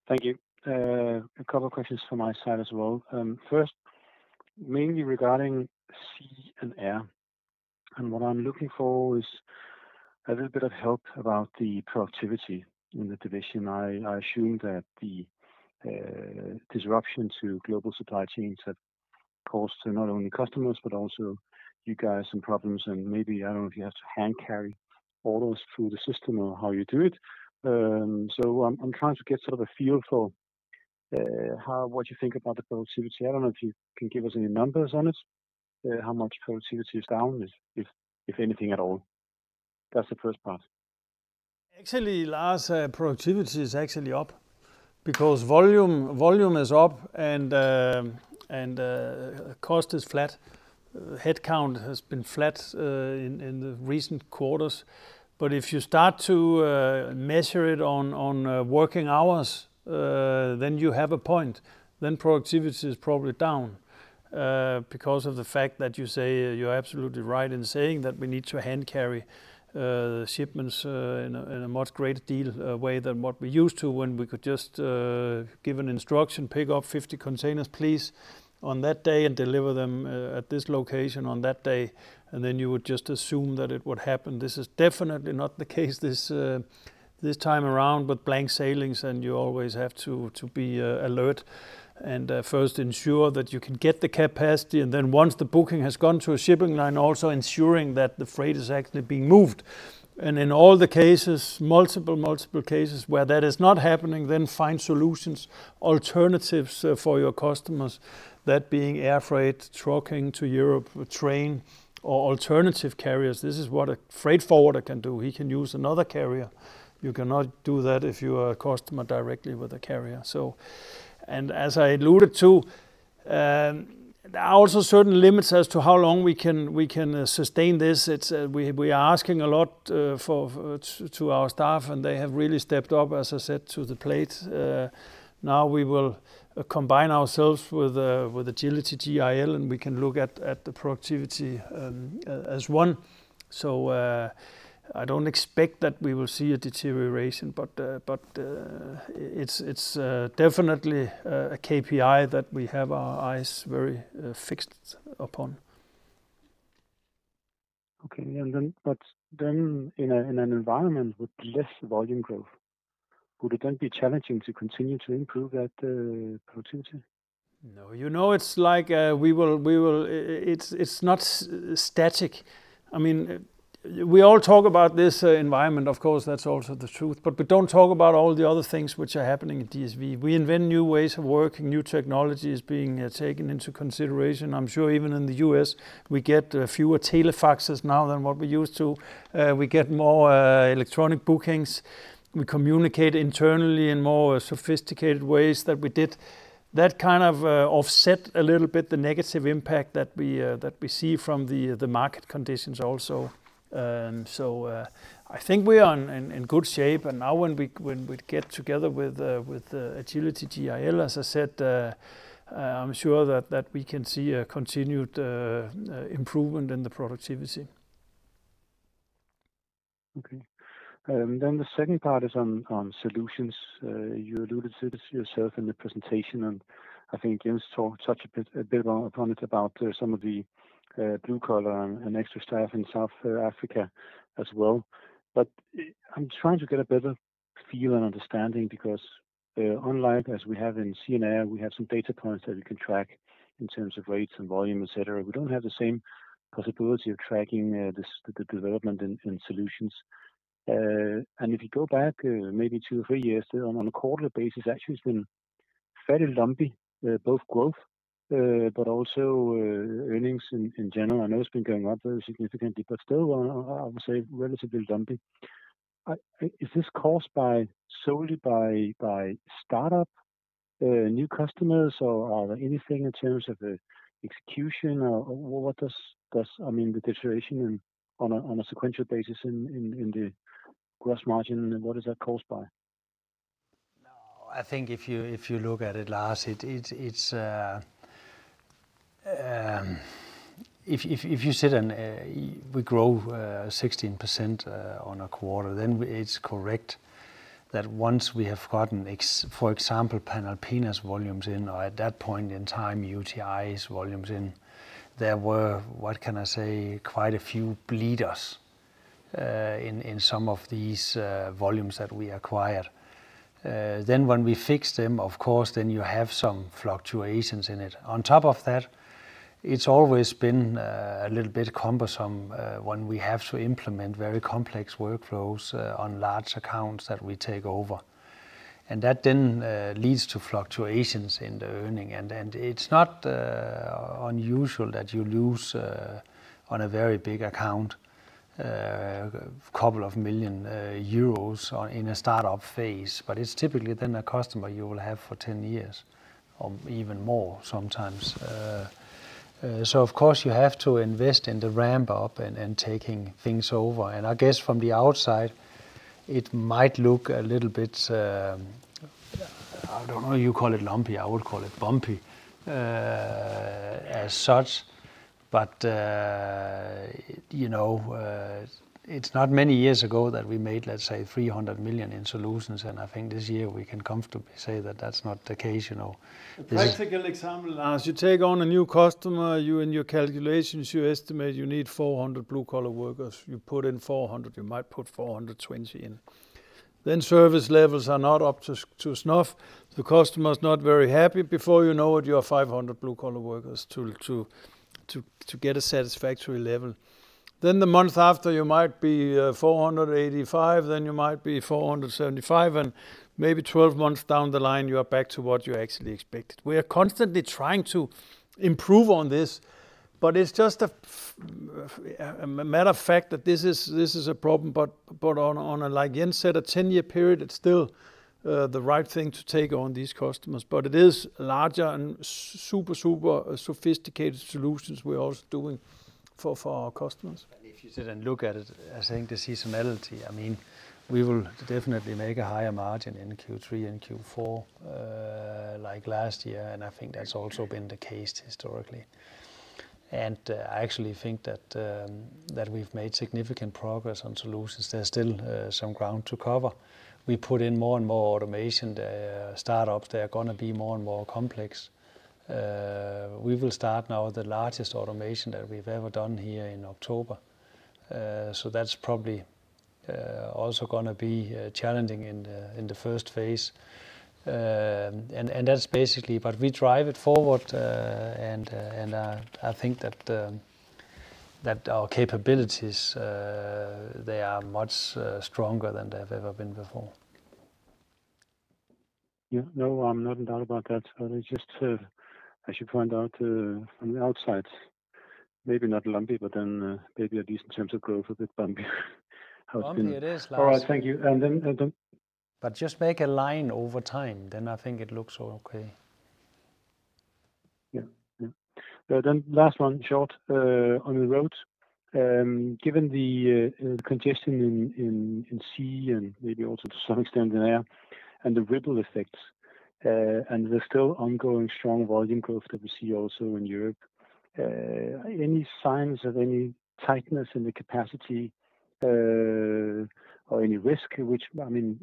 Thank you. A couple of questions from my side as well. First, mainly regarding Air & Sea. What I'm looking for is a little bit of help about the productivity in the division. I assume that the disruption to global supply chains have caused not only customers, but also you guys some problems, and maybe, I don't know if you have to hand carry all those through the system or how you do it. I'm trying to get sort of a feel for what you think about the productivity. I don't know if you can give us any numbers on it, how much productivity is down, if anything at all. That's the first part. Actually, Lars, productivity is actually up, because volume is up and cost is flat. Headcount has been flat in the recent quarters. If you start to measure it on working hours, then you have a point. Productivity is probably down. Because of the fact that you say, you're absolutely right in saying that we need to hand carry the shipments in a much great deal way than what we used to when we could just give an instruction, "Pick up 50 containers, please, on that day and deliver them at this location on that day." You would just assume that it would happen. This is definitely not the case this time around with blank sailings, and you always have to be alert and first ensure that you can get the capacity, and then once the booking has gone to a shipping line, also ensuring that the freight is actually being moved. In all the cases, multiple cases where that is not happening, then find solutions, alternatives for your customers, that being air freight, trucking to Europe, train or alternative carriers. This is what a freight forwarder can do. He can use another carrier. You cannot do that if you are a customer directly with a carrier. There are also certain limits as to how long we can sustain this. We are asking a lot to our staff, and they have really stepped up, as I said, to the plate. Now we will combine ourselves with Agility, GIL, and we can look at the productivity as one. I don't expect that we will see a deterioration, but it's definitely a KPI that we have our eyes very fixed upon. Okay. In an environment with less volume growth, would it then be challenging to continue to improve that productivity? No. It's not static. We all talk about this environment. Of course, that's also the truth. We don't talk about all the other things which are happening at DSV. We invent new ways of working, new technologies being taken into consideration. I'm sure even in the U.S., we get fewer telefaxes now than what we used to. We get more electronic bookings. We communicate internally in more sophisticated ways than we did. That kind of offset a little bit the negative impact that we see from the market conditions also. I think we are in good shape. Now when we get together with Agility, GIL, as I said, I'm sure that we can see a continued improvement in the productivity. Okay. The second part is on Solutions. You alluded to this yourself in the presentation, and I think Jens touched a bit upon it about some of the blue collar and extra staff in South Africa as well. I'm trying to get a better feel and understanding because, unlike as we have in Air & Sea, we have some data points that we can track in terms of rates and volume, et cetera. We don't have the same possibility of tracking the development in Solutions. If you go back maybe two or three years, on a quarterly basis, actually it's been fairly lumpy, both growth, but also earnings in general. I know it's been going up very significantly, but still, I would say relatively lumpy. Is this caused solely by startup, new customers, or are there anything in terms of the execution? The deterioration on a sequential basis in the gross margin, what is that caused by? No, I think if you look at it, Lars, if you said we grow 16% on a quarter, then it's correct that once we have gotten, for example, Panalpina's volumes in, or at that point in time, UTi's volumes in, there were, what can I say, quite a few bleeders in some of these volumes that we acquired. When we fix them, of course, then you have some fluctuations in it. On top of that, it's always been a little bit cumbersome when we have to implement very complex workflows on large accounts that we take over. That then leads to fluctuations in the earning. It's not unusual that you lose on a very big account, a couple of million euros in a startup phase, it's typically then a customer you will have for 10 years or even more sometimes. Of course, you have to invest in the ramp-up and taking things over. I guess from the outside, it might look a little bit, I don't know, you call it lumpy, I would call it bumpy as such. It's not many years ago that we made, let's say, 300 million in Solutions, and I think this year we can comfortably say that that's not the case. A practical example, Lars. You take on a new customer, you in your calculations, you estimate you need 400 blue-collar workers. You put in 400, you might put 420 in. Service levels are not up to snuff. The customer's not very happy. Before you know it, you have 500 blue-collar workers to get a satisfactory level. The month after, you might be 485, then you might be 475, and maybe 12 months down the line, you are back to what you actually expected. We are constantly trying to improve on this, but it's just a matter of fact that this is a problem. On a, like Jens said, a 10-year period, it's still the right thing to take on these customers. It is larger and super sophisticated solutions we're also doing for our customers. If you sit and look at it, I think the seasonality, we will definitely make a higher margin in Q3 and Q4, like last year, and I think that's also been the case historically. I actually think that we've made significant progress on solutions. There's still some ground to cover. We put in more and more automation. The startups, they are going to be more and more complex. We will start now the largest automation that we've ever done here in October. That's probably also going to be challenging in the first phase. We drive it forward, and I think that our capabilities, they are much stronger than they've ever been before. Yeah. No, I'm not in doubt about that. It's just as you point out from the outside, maybe not lumpy, but then maybe a decent sense of growth, a bit bumpy. Bumpy it is, Lars. All right. Thank you. Just make a line over time, then I think it looks okay. Yeah. Last one, short, on the roads. Given the congestion in sea and maybe also to some extent in air and the ripple effects, and the still ongoing strong volume growth that we see also in Europe, any signs of any tightness in the capacity, or any risk? Which,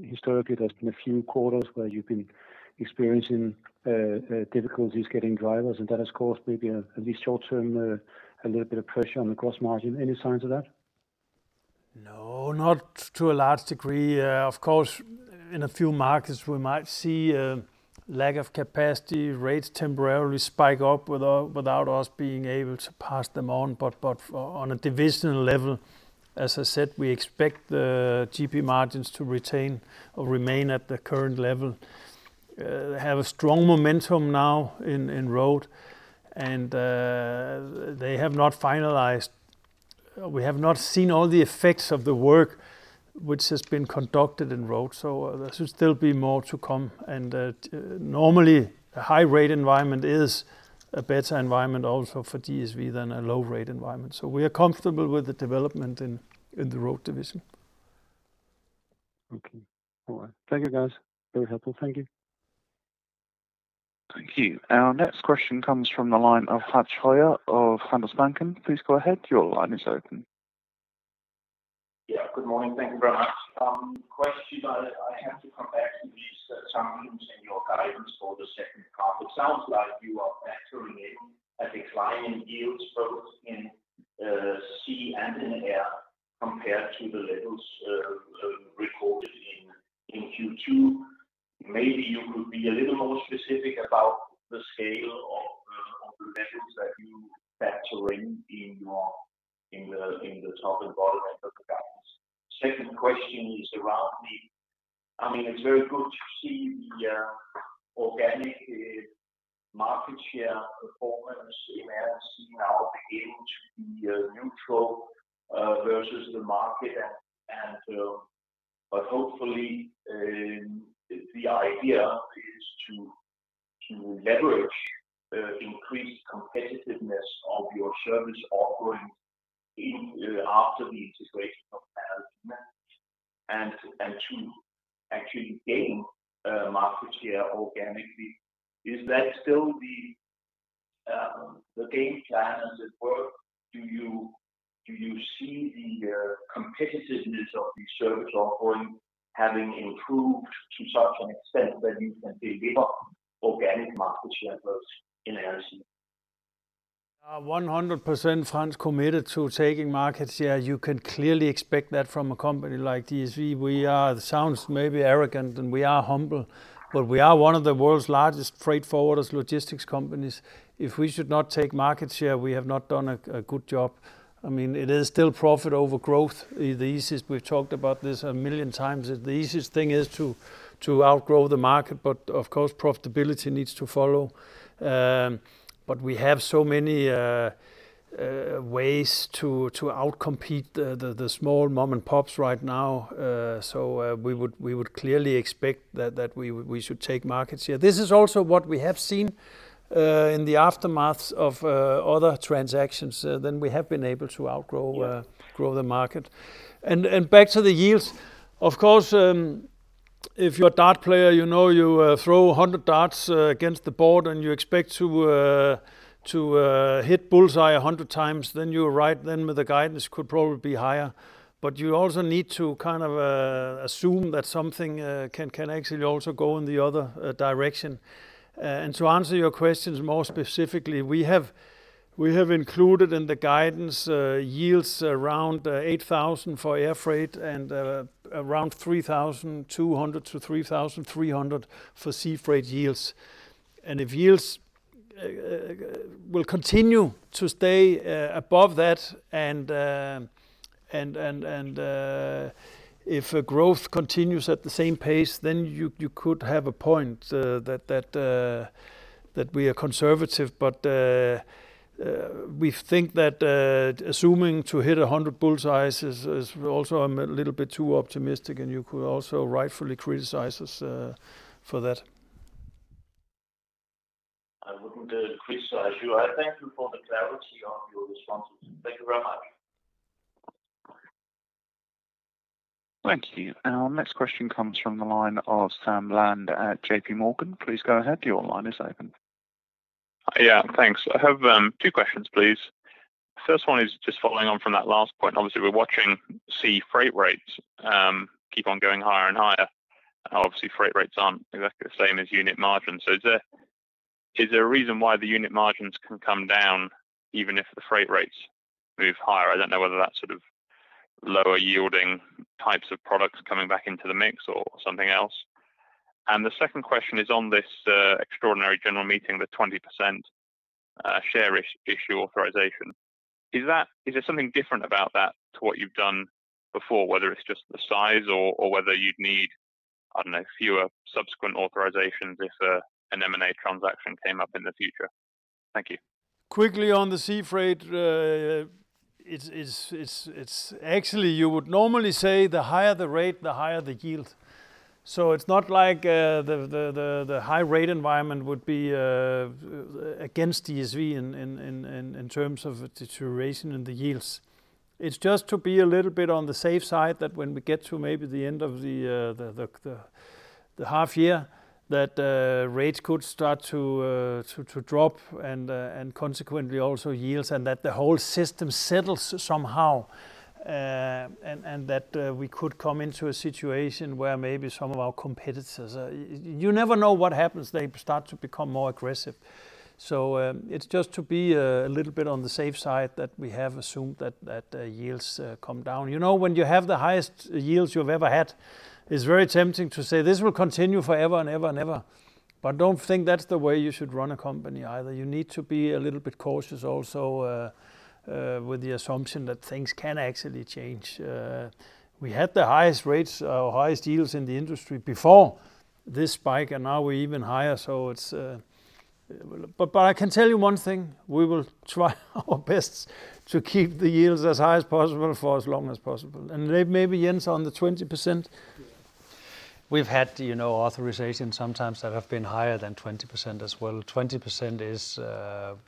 historically, there's been a few quarters where you've been experiencing difficulties getting drivers, and that has caused maybe, at least short term, a little bit of pressure on the gross margin. Any signs of that? No, not to a large degree. Of course, in a few markets we might see a lack of capacity, rates temporarily spike up without us being able to pass them on. On a divisional level, as I said, we expect the GP margins to retain or remain at the current level. We have a strong momentum now in Road. We have not seen all the effects of the work which has been conducted in Road, so there should still be more to come. Normally, a high rate environment is a better environment also for DSV than a low rate environment. We are comfortable with the development in the Road division. Okay. All right. Thank you, guys. Very helpful. Thank you. Thank you. Our next question comes from the line of Hans Høyer of Handelsbanken. Please go ahead. Your line is open. Yeah, good morning. Thank you very much. Question, I have to come back to these challenges in your guidance for the second half. It sounds like you are factoring in a decline in yields both in sea and in air compared to the levels recorded in Q2. Maybe you could be a little more specific about the scale of the levels that you factor in the top and bottom end of the guidance. Second question. It's very good to see the organic market share performance in Air & Sea now beginning to be neutral versus the market. Hopefully, the idea is to leverage increased competitiveness of your service offerings after the integration of Panalpina and to actually gain market share organically. Is that still the game plan? Does it work? Do you see the competitiveness of your service offering having improved to such an extent that you can deliver organic market share growth in Air & Sea? 100%, Hans, committed to taking market share. You can clearly expect that from a company like DSV. It sounds maybe arrogant, and we are humble, but we are one of the world's largest freight forwarders logistics companies. If we should not take market share, we have not done a good job. It is still profit over growth. We've talked about this a million times. The easiest thing is to outgrow the market, but of course, profitability needs to follow. We have so many ways to out-compete the small mom and pops right now. We would clearly expect that we should take market share. This is also what we have seen in the aftermath of other transactions, then we have been able to outgrow the market. Back to the yields, of course, if you're a dart player, you know you throw 100 darts against the board and you expect to hit bullseye 100x, then you are right, then the guidance could probably be higher. You also need to assume that something can actually also go in the other direction. To answer your questions more specifically, we have included in the guidance yields around 8,000 for air freight and around 3,200-3,300 for sea freight yields. If yields will continue to stay above that, and if growth continues at the same pace, then you could have a point that we are conservative. We think that assuming to hit 100 bullseyes is also a little bit too optimistic and you could also rightfully criticize us for that. I wouldn't criticize you. I thank you for the clarity of your responses. Thank you very much. Thank you. Our next question comes from the line of Sam Bland at JPMorgan. Please go ahead. Your line is open. Yeah. Thanks. I have two questions, please. First one is just following on from that last point. Obviously, we're watching sea freight rates keep on going higher and higher. Obviously, freight rates aren't exactly the same as unit margins. Is there a reason why the unit margins can come down even if the freight rates move higher? I don't know whether that's sort of lower-yielding types of products coming back into the mix or something else. The second question is on this extraordinary general meeting, the 20% share issue authorization. Is there something different about that to what you've done before, whether it's just the size or whether you'd need, I don't know, fewer subsequent authorizations if an M&A transaction came up in the future? Thank you. Quickly on the sea freight, actually you would normally say the higher the rate, the higher the yield. It's not like the high rate environment would be against DSV in terms of deterioration in the yields. It's just to be a little bit on the safe side that when we get to maybe the end of the half year, that rates could start to drop and consequently also yields, and that the whole system settles somehow. That we could come into a situation where maybe some of our competitors, you never know what happens, they start to become more aggressive. It's just to be a little bit on the safe side that we have assumed that yields come down. When you have the highest yields you've ever had, it's very tempting to say, "This will continue forever and ever." Don't think that's the way you should run a company, either. You need to be a little bit cautious also with the assumption that things can actually change. We had the highest rates or highest yields in the industry before this spike, and now we're even higher. I can tell you one thing, we will try our best to keep the yields as high as possible for as long as possible. Maybe Jens on the 20%. We've had authorizations sometimes that have been higher than 20% as well. 20% is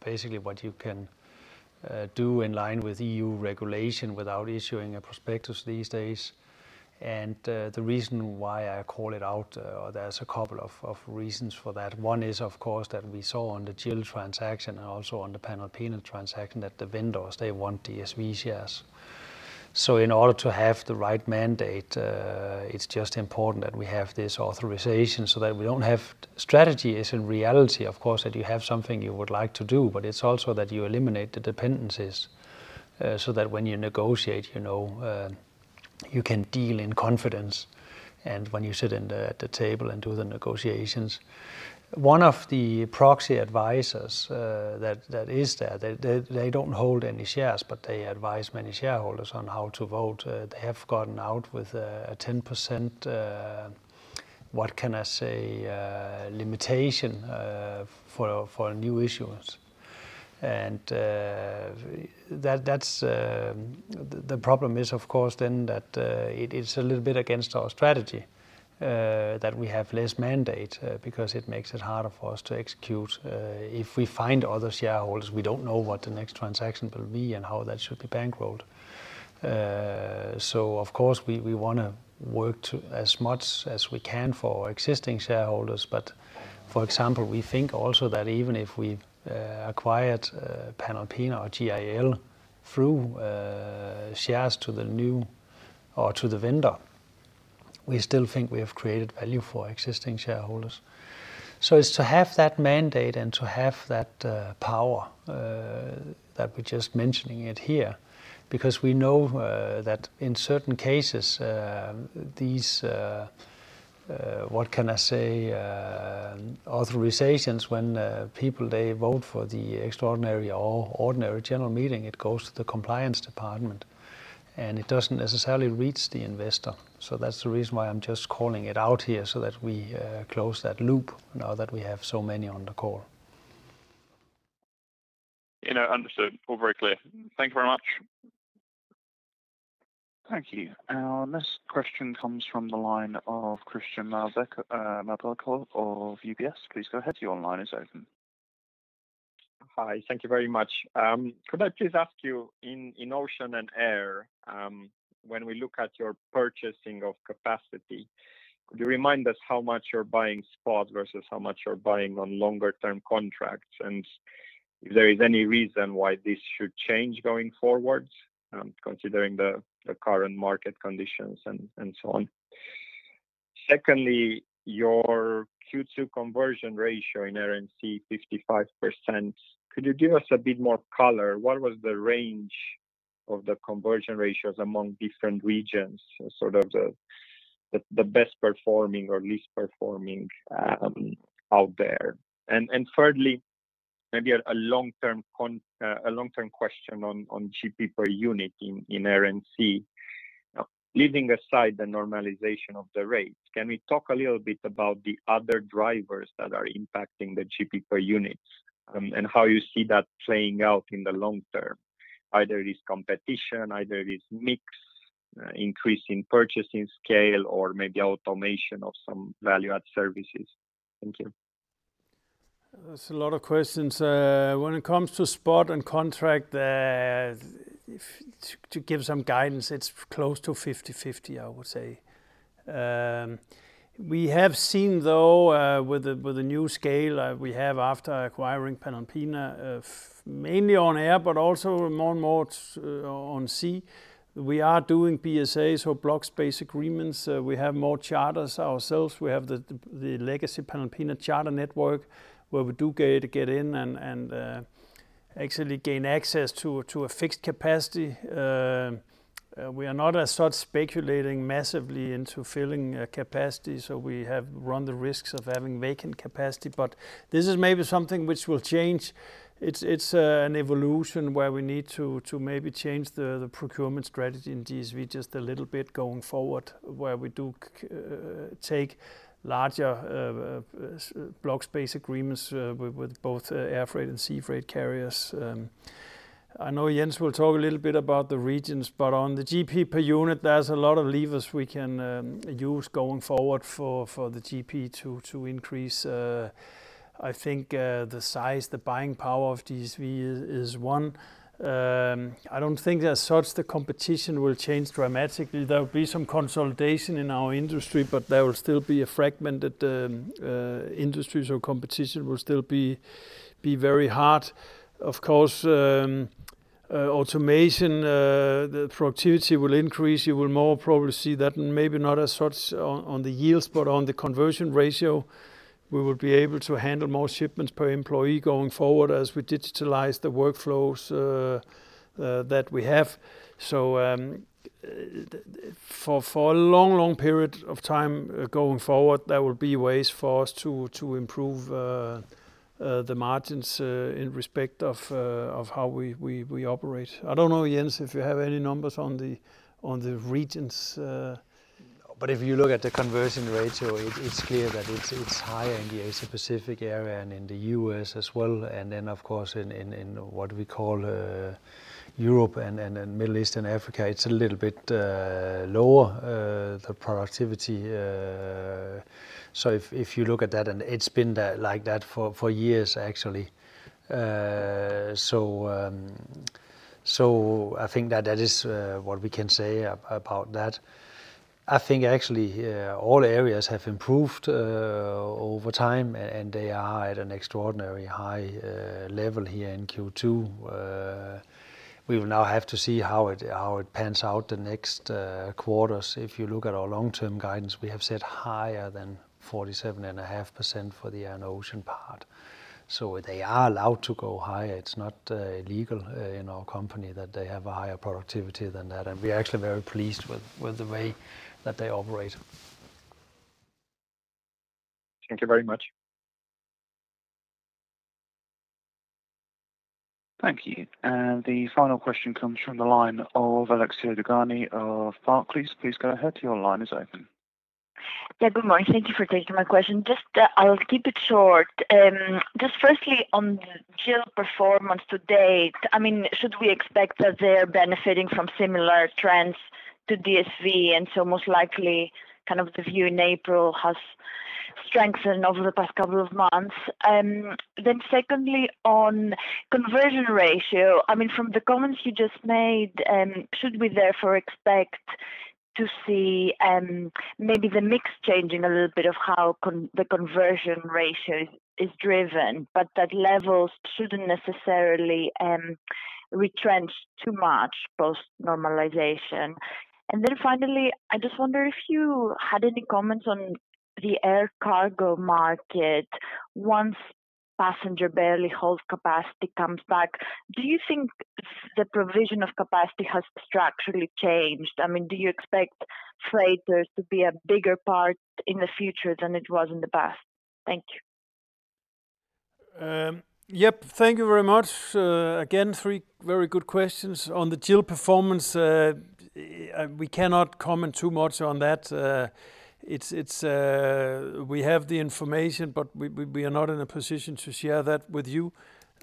basically what you can do in line with EU regulation without issuing a prospectus these days. The reason why I call it out, or there's a couple of reasons for that. One is, of course, that we saw on the GIL transaction and also on the Panalpina transaction that the vendors, they want DSV shares. In order to have the right mandate, it's just important that we have this authorization. Strategy is in reality, of course, that you have something you would like to do, but it's also that you eliminate the dependencies, so that when you negotiate, you can deal in confidence and when you sit at the table and do the negotiations. One of the proxy advisors that is there, they don't hold any shares, but they advise many shareholders on how to vote. They have gotten out with a 10%, what can I say, limitation for a new issuance. The problem is, of course, then that it is a little bit against our strategy that we have less mandate, because it makes it harder for us to execute if we find other shareholders, we don't know what the next transaction will be and how that should be bankrolled. Of course, we want to work as much as we can for our existing shareholders, but for example, we think also that even if we acquired Panalpina or GIL through shares to the new or to the vendor, we still think we have created value for existing shareholders. It's to have that mandate and to have that power that we're just mentioning it here, because we know that in certain cases, these, what can I say, authorizations when people, they vote for the extraordinary or ordinary general meeting, it goes to the compliance department, and it doesn't necessarily reach the investor. That's the reason why I'm just calling it out here so that we close that loop now that we have so many on the call. Understood. All very clear. Thank you very much. Thank you. Our next question comes from the line of Cristian Nedelcu of UBS. Please go ahead. Your line is open. Hi. Thank you very much. Could I please ask you in ocean and air, when we look at your purchasing of capacity, could you remind us how much you are buying spot versus how much you are buying on longer-term contracts? If there is any reason why this should change going forwards considering the current market conditions and so on? Secondly, your Q2 conversion ratio in Air & Sea, 55%. Could you give us a bit more color? What was the range of the conversion ratios among different regions, sort of the best performing or least performing out there? Thirdly, maybe a long-term question on GP per unit in Air & Sea. Leaving aside the normalization of the rates, can we talk a little bit about the other drivers that are impacting the GP per units and how you see that playing out in the long term? Either it is competition, either it is mix, increase in purchasing scale, or maybe automation of some value-add services. Thank you. That's a lot of questions. When it comes to spot and contract, to give some guidance, it's close to 50/50, I would say. We have seen though with the new scale we have after acquiring Panalpina, mainly on air, but also more and more on sea. We are doing BSAs or Block Space Agreements. We have more charters ourselves. We have the legacy Panalpina charter network where we do get in and actually gain access to a fixed capacity. We are not as such speculating massively into filling capacity, so we have run the risks of having vacant capacity, but this is maybe something which will change. It's an evolution where we need to maybe change the procurement strategy in DSV just a little bit going forward, where we do take larger Block Space Agreements with both air freight and sea freight carriers. I know Jens will talk a little bit about the regions, but on the GP per unit, there's a lot of levers we can use going forward for the GP to increase. I think the size, the buying power of DSV is one. I don't think as such the competition will change dramatically. There will be some consolidation in our industry, but there will still be a fragmented industry. Competition will still be very hard. Of course, automation, the productivity will increase. You will more probably see that, and maybe not as such on the yields, but on the conversion ratio, we will be able to handle more shipments per employee going forward as we digitalize the workflows that we have. For a long period of time going forward, there will be ways for us to improve the margins in respect of how we operate. I don't know, Jens, if you have any numbers on the regions. If you look at the conversion ratio, it's clear that it's higher in the Asia Pacific area and in the U.S. as well, and then of course in what we call Europe and Middle East and Africa, it's a little bit lower, the productivity. If you look at that, and it's been like that for years, actually. I think that is what we can say about that. I think actually, all areas have improved over time, and they are at an extraordinarily high level here in Q2. We will now have to see how it pans out the next quarters. If you look at our long-term guidance, we have said higher than 47.5% for the air and ocean part. They are allowed to go higher. It's not illegal in our company that they have a higher productivity than that, and we are actually very pleased with the way that they operate. Thank you very much. Thank you. The final question comes from the line of Alexia Dogani of Barclays. Please go ahead. Your line is open. Yeah, good morning. Thank you for taking my question. I'll keep it short. Firstly, on the GIL performance to date, should we expect that they are benefiting from similar trends to DSV, and so most likely, the view in April has strengthened over the past couple of months? Secondly, on conversion ratio, from the comments you just made, should we therefore expect to see maybe the mix changing a little bit of how the conversion ratio is driven, but that levels shouldn't necessarily retrench too much post-normalization? Finally, I just wonder if you had any comments on the air cargo market once passenger belly hold capacity comes back. Do you think the provision of capacity has structurally changed? Do you expect freighters to be a bigger part in the future than it was in the past? Thank you. Yep. Thank you very much. Again, three very good questions. On the GIL performance, we cannot comment too much on that. We have the information, but we are not in a position to share that with you.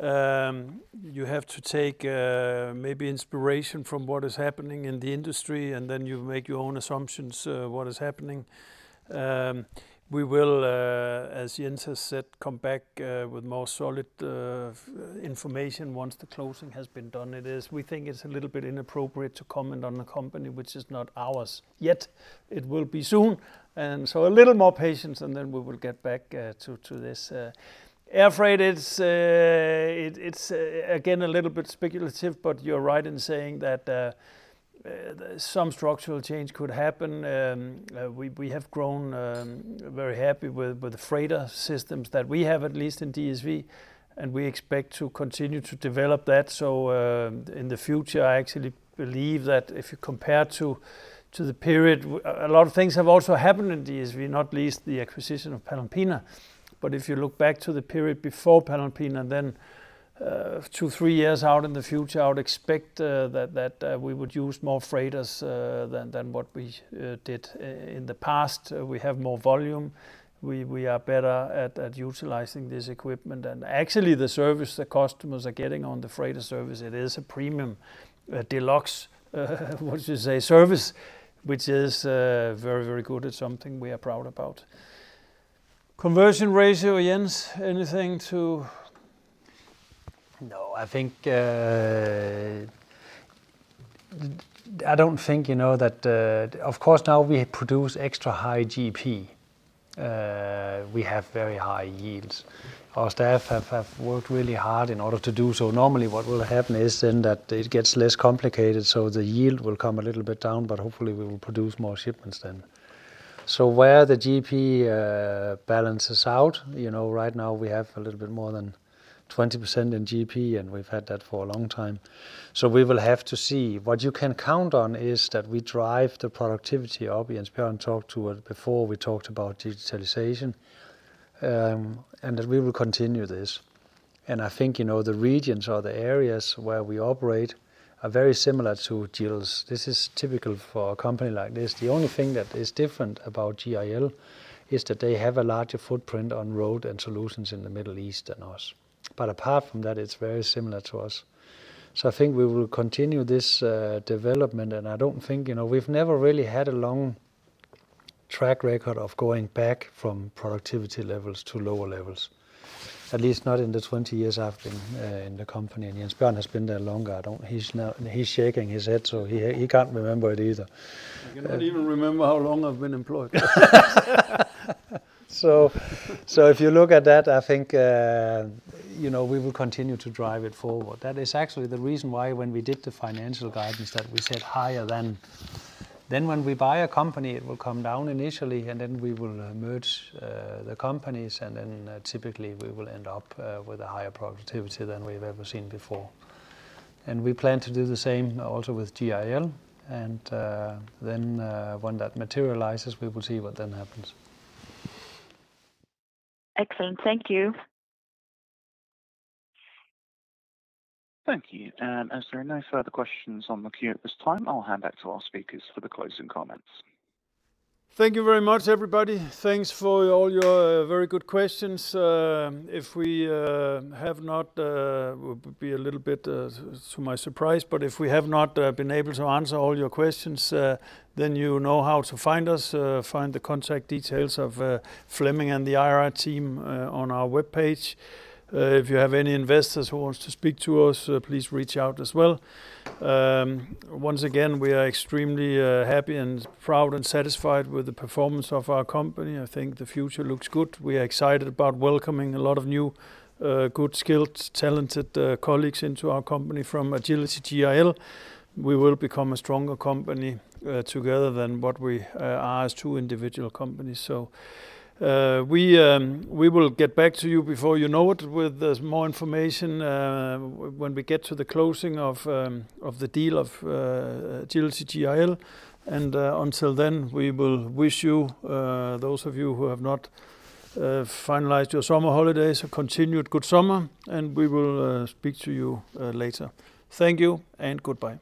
You have to take maybe inspiration from what is happening in the industry, and then you make your own assumptions what is happening. We will, as Jens has said, come back with more solid information once the closing has been done. We think it's a little bit inappropriate to comment on a company which is not ours yet. It will be soon, and so a little more patience and then we will get back to this. Air freight, it's again a little bit speculative, but you're right in saying that some structural change could happen. We have grown very happy with the freighter systems that we have, at least in DSV, and we expect to continue to develop that. In the future, I actually believe that if you compare to the period, a lot of things have also happened in DSV, not least the acquisition of Panalpina. If you look back to the period before Panalpina, then, two, three years out in the future, I would expect that we would use more freighters than what we did in the past. We have more volume. We are better at utilizing this equipment. Actually, the service the customers are getting on the freighter service, it is a premium, deluxe, what you say, service, which is very, very good. It's something we are proud about. Conversion ratio, Jens, anything to? No. Of course, now we produce extra high GP. We have very high yields. Our staff have worked really hard in order to do so. Normally, what will happen is then that it gets less complicated, so the yield will come a little bit down, but hopefully we will produce more shipments then. Where the GP balances out, right now we have a little bit more than 20% in GP, and we've had that for a long time. We will have to see. What you can count on is that we drive the productivity up, me and Jens Bjørn talked to it before, we talked about digitalization, and that we will continue this. I think, the regions or the areas where we operate are very similar to GIL's. This is typical for a company like this. The only thing that is different about GIL is that they have a larger footprint on Road and Solutions in the Middle East than us. Apart from that, it's very similar to us. I think we will continue this development, and we've never really had a long track record of going back from productivity levels to lower levels, at least not in the 20 years I've been in the company, and Jens Bjørn has been there longer. He's shaking his head, so he can't remember it either. I cannot even remember how long I've been employed. If you look at that, I think we will continue to drive it forward. That is actually the reason why when we did the financial guidance that we said higher than. When we buy a company, it will come down initially, and then we will merge the companies and then typically we will end up with a higher productivity than we've ever seen before. We plan to do the same also with GIL. When that materializes, we will see what then happens. Excellent. Thank you. Thank you. As there are no further questions on the queue at this time, I'll hand back to our speakers for the closing comments. Thank you very much, everybody. Thanks for all your very good questions. It would be a little bit to my surprise, but if we have not been able to answer all your questions, then you know how to find us. Find the contact details of Flemming and the IR team on our webpage. If you have any investors who want to speak to us, please reach out as well. Once again, we are extremely happy and proud and satisfied with the performance of our company. I think the future looks good. We are excited about welcoming a lot of new, good skilled, talented colleagues into our company from Agility GIL. We will become a stronger company together than what we are as two individual companies. We will get back to you before you know it with more information, when we get to the closing of the deal of Agility GIL. Until then, we will wish those of you who have not finalized your summer holidays, a continued good summer, and we will speak to you later. Thank you and goodbye.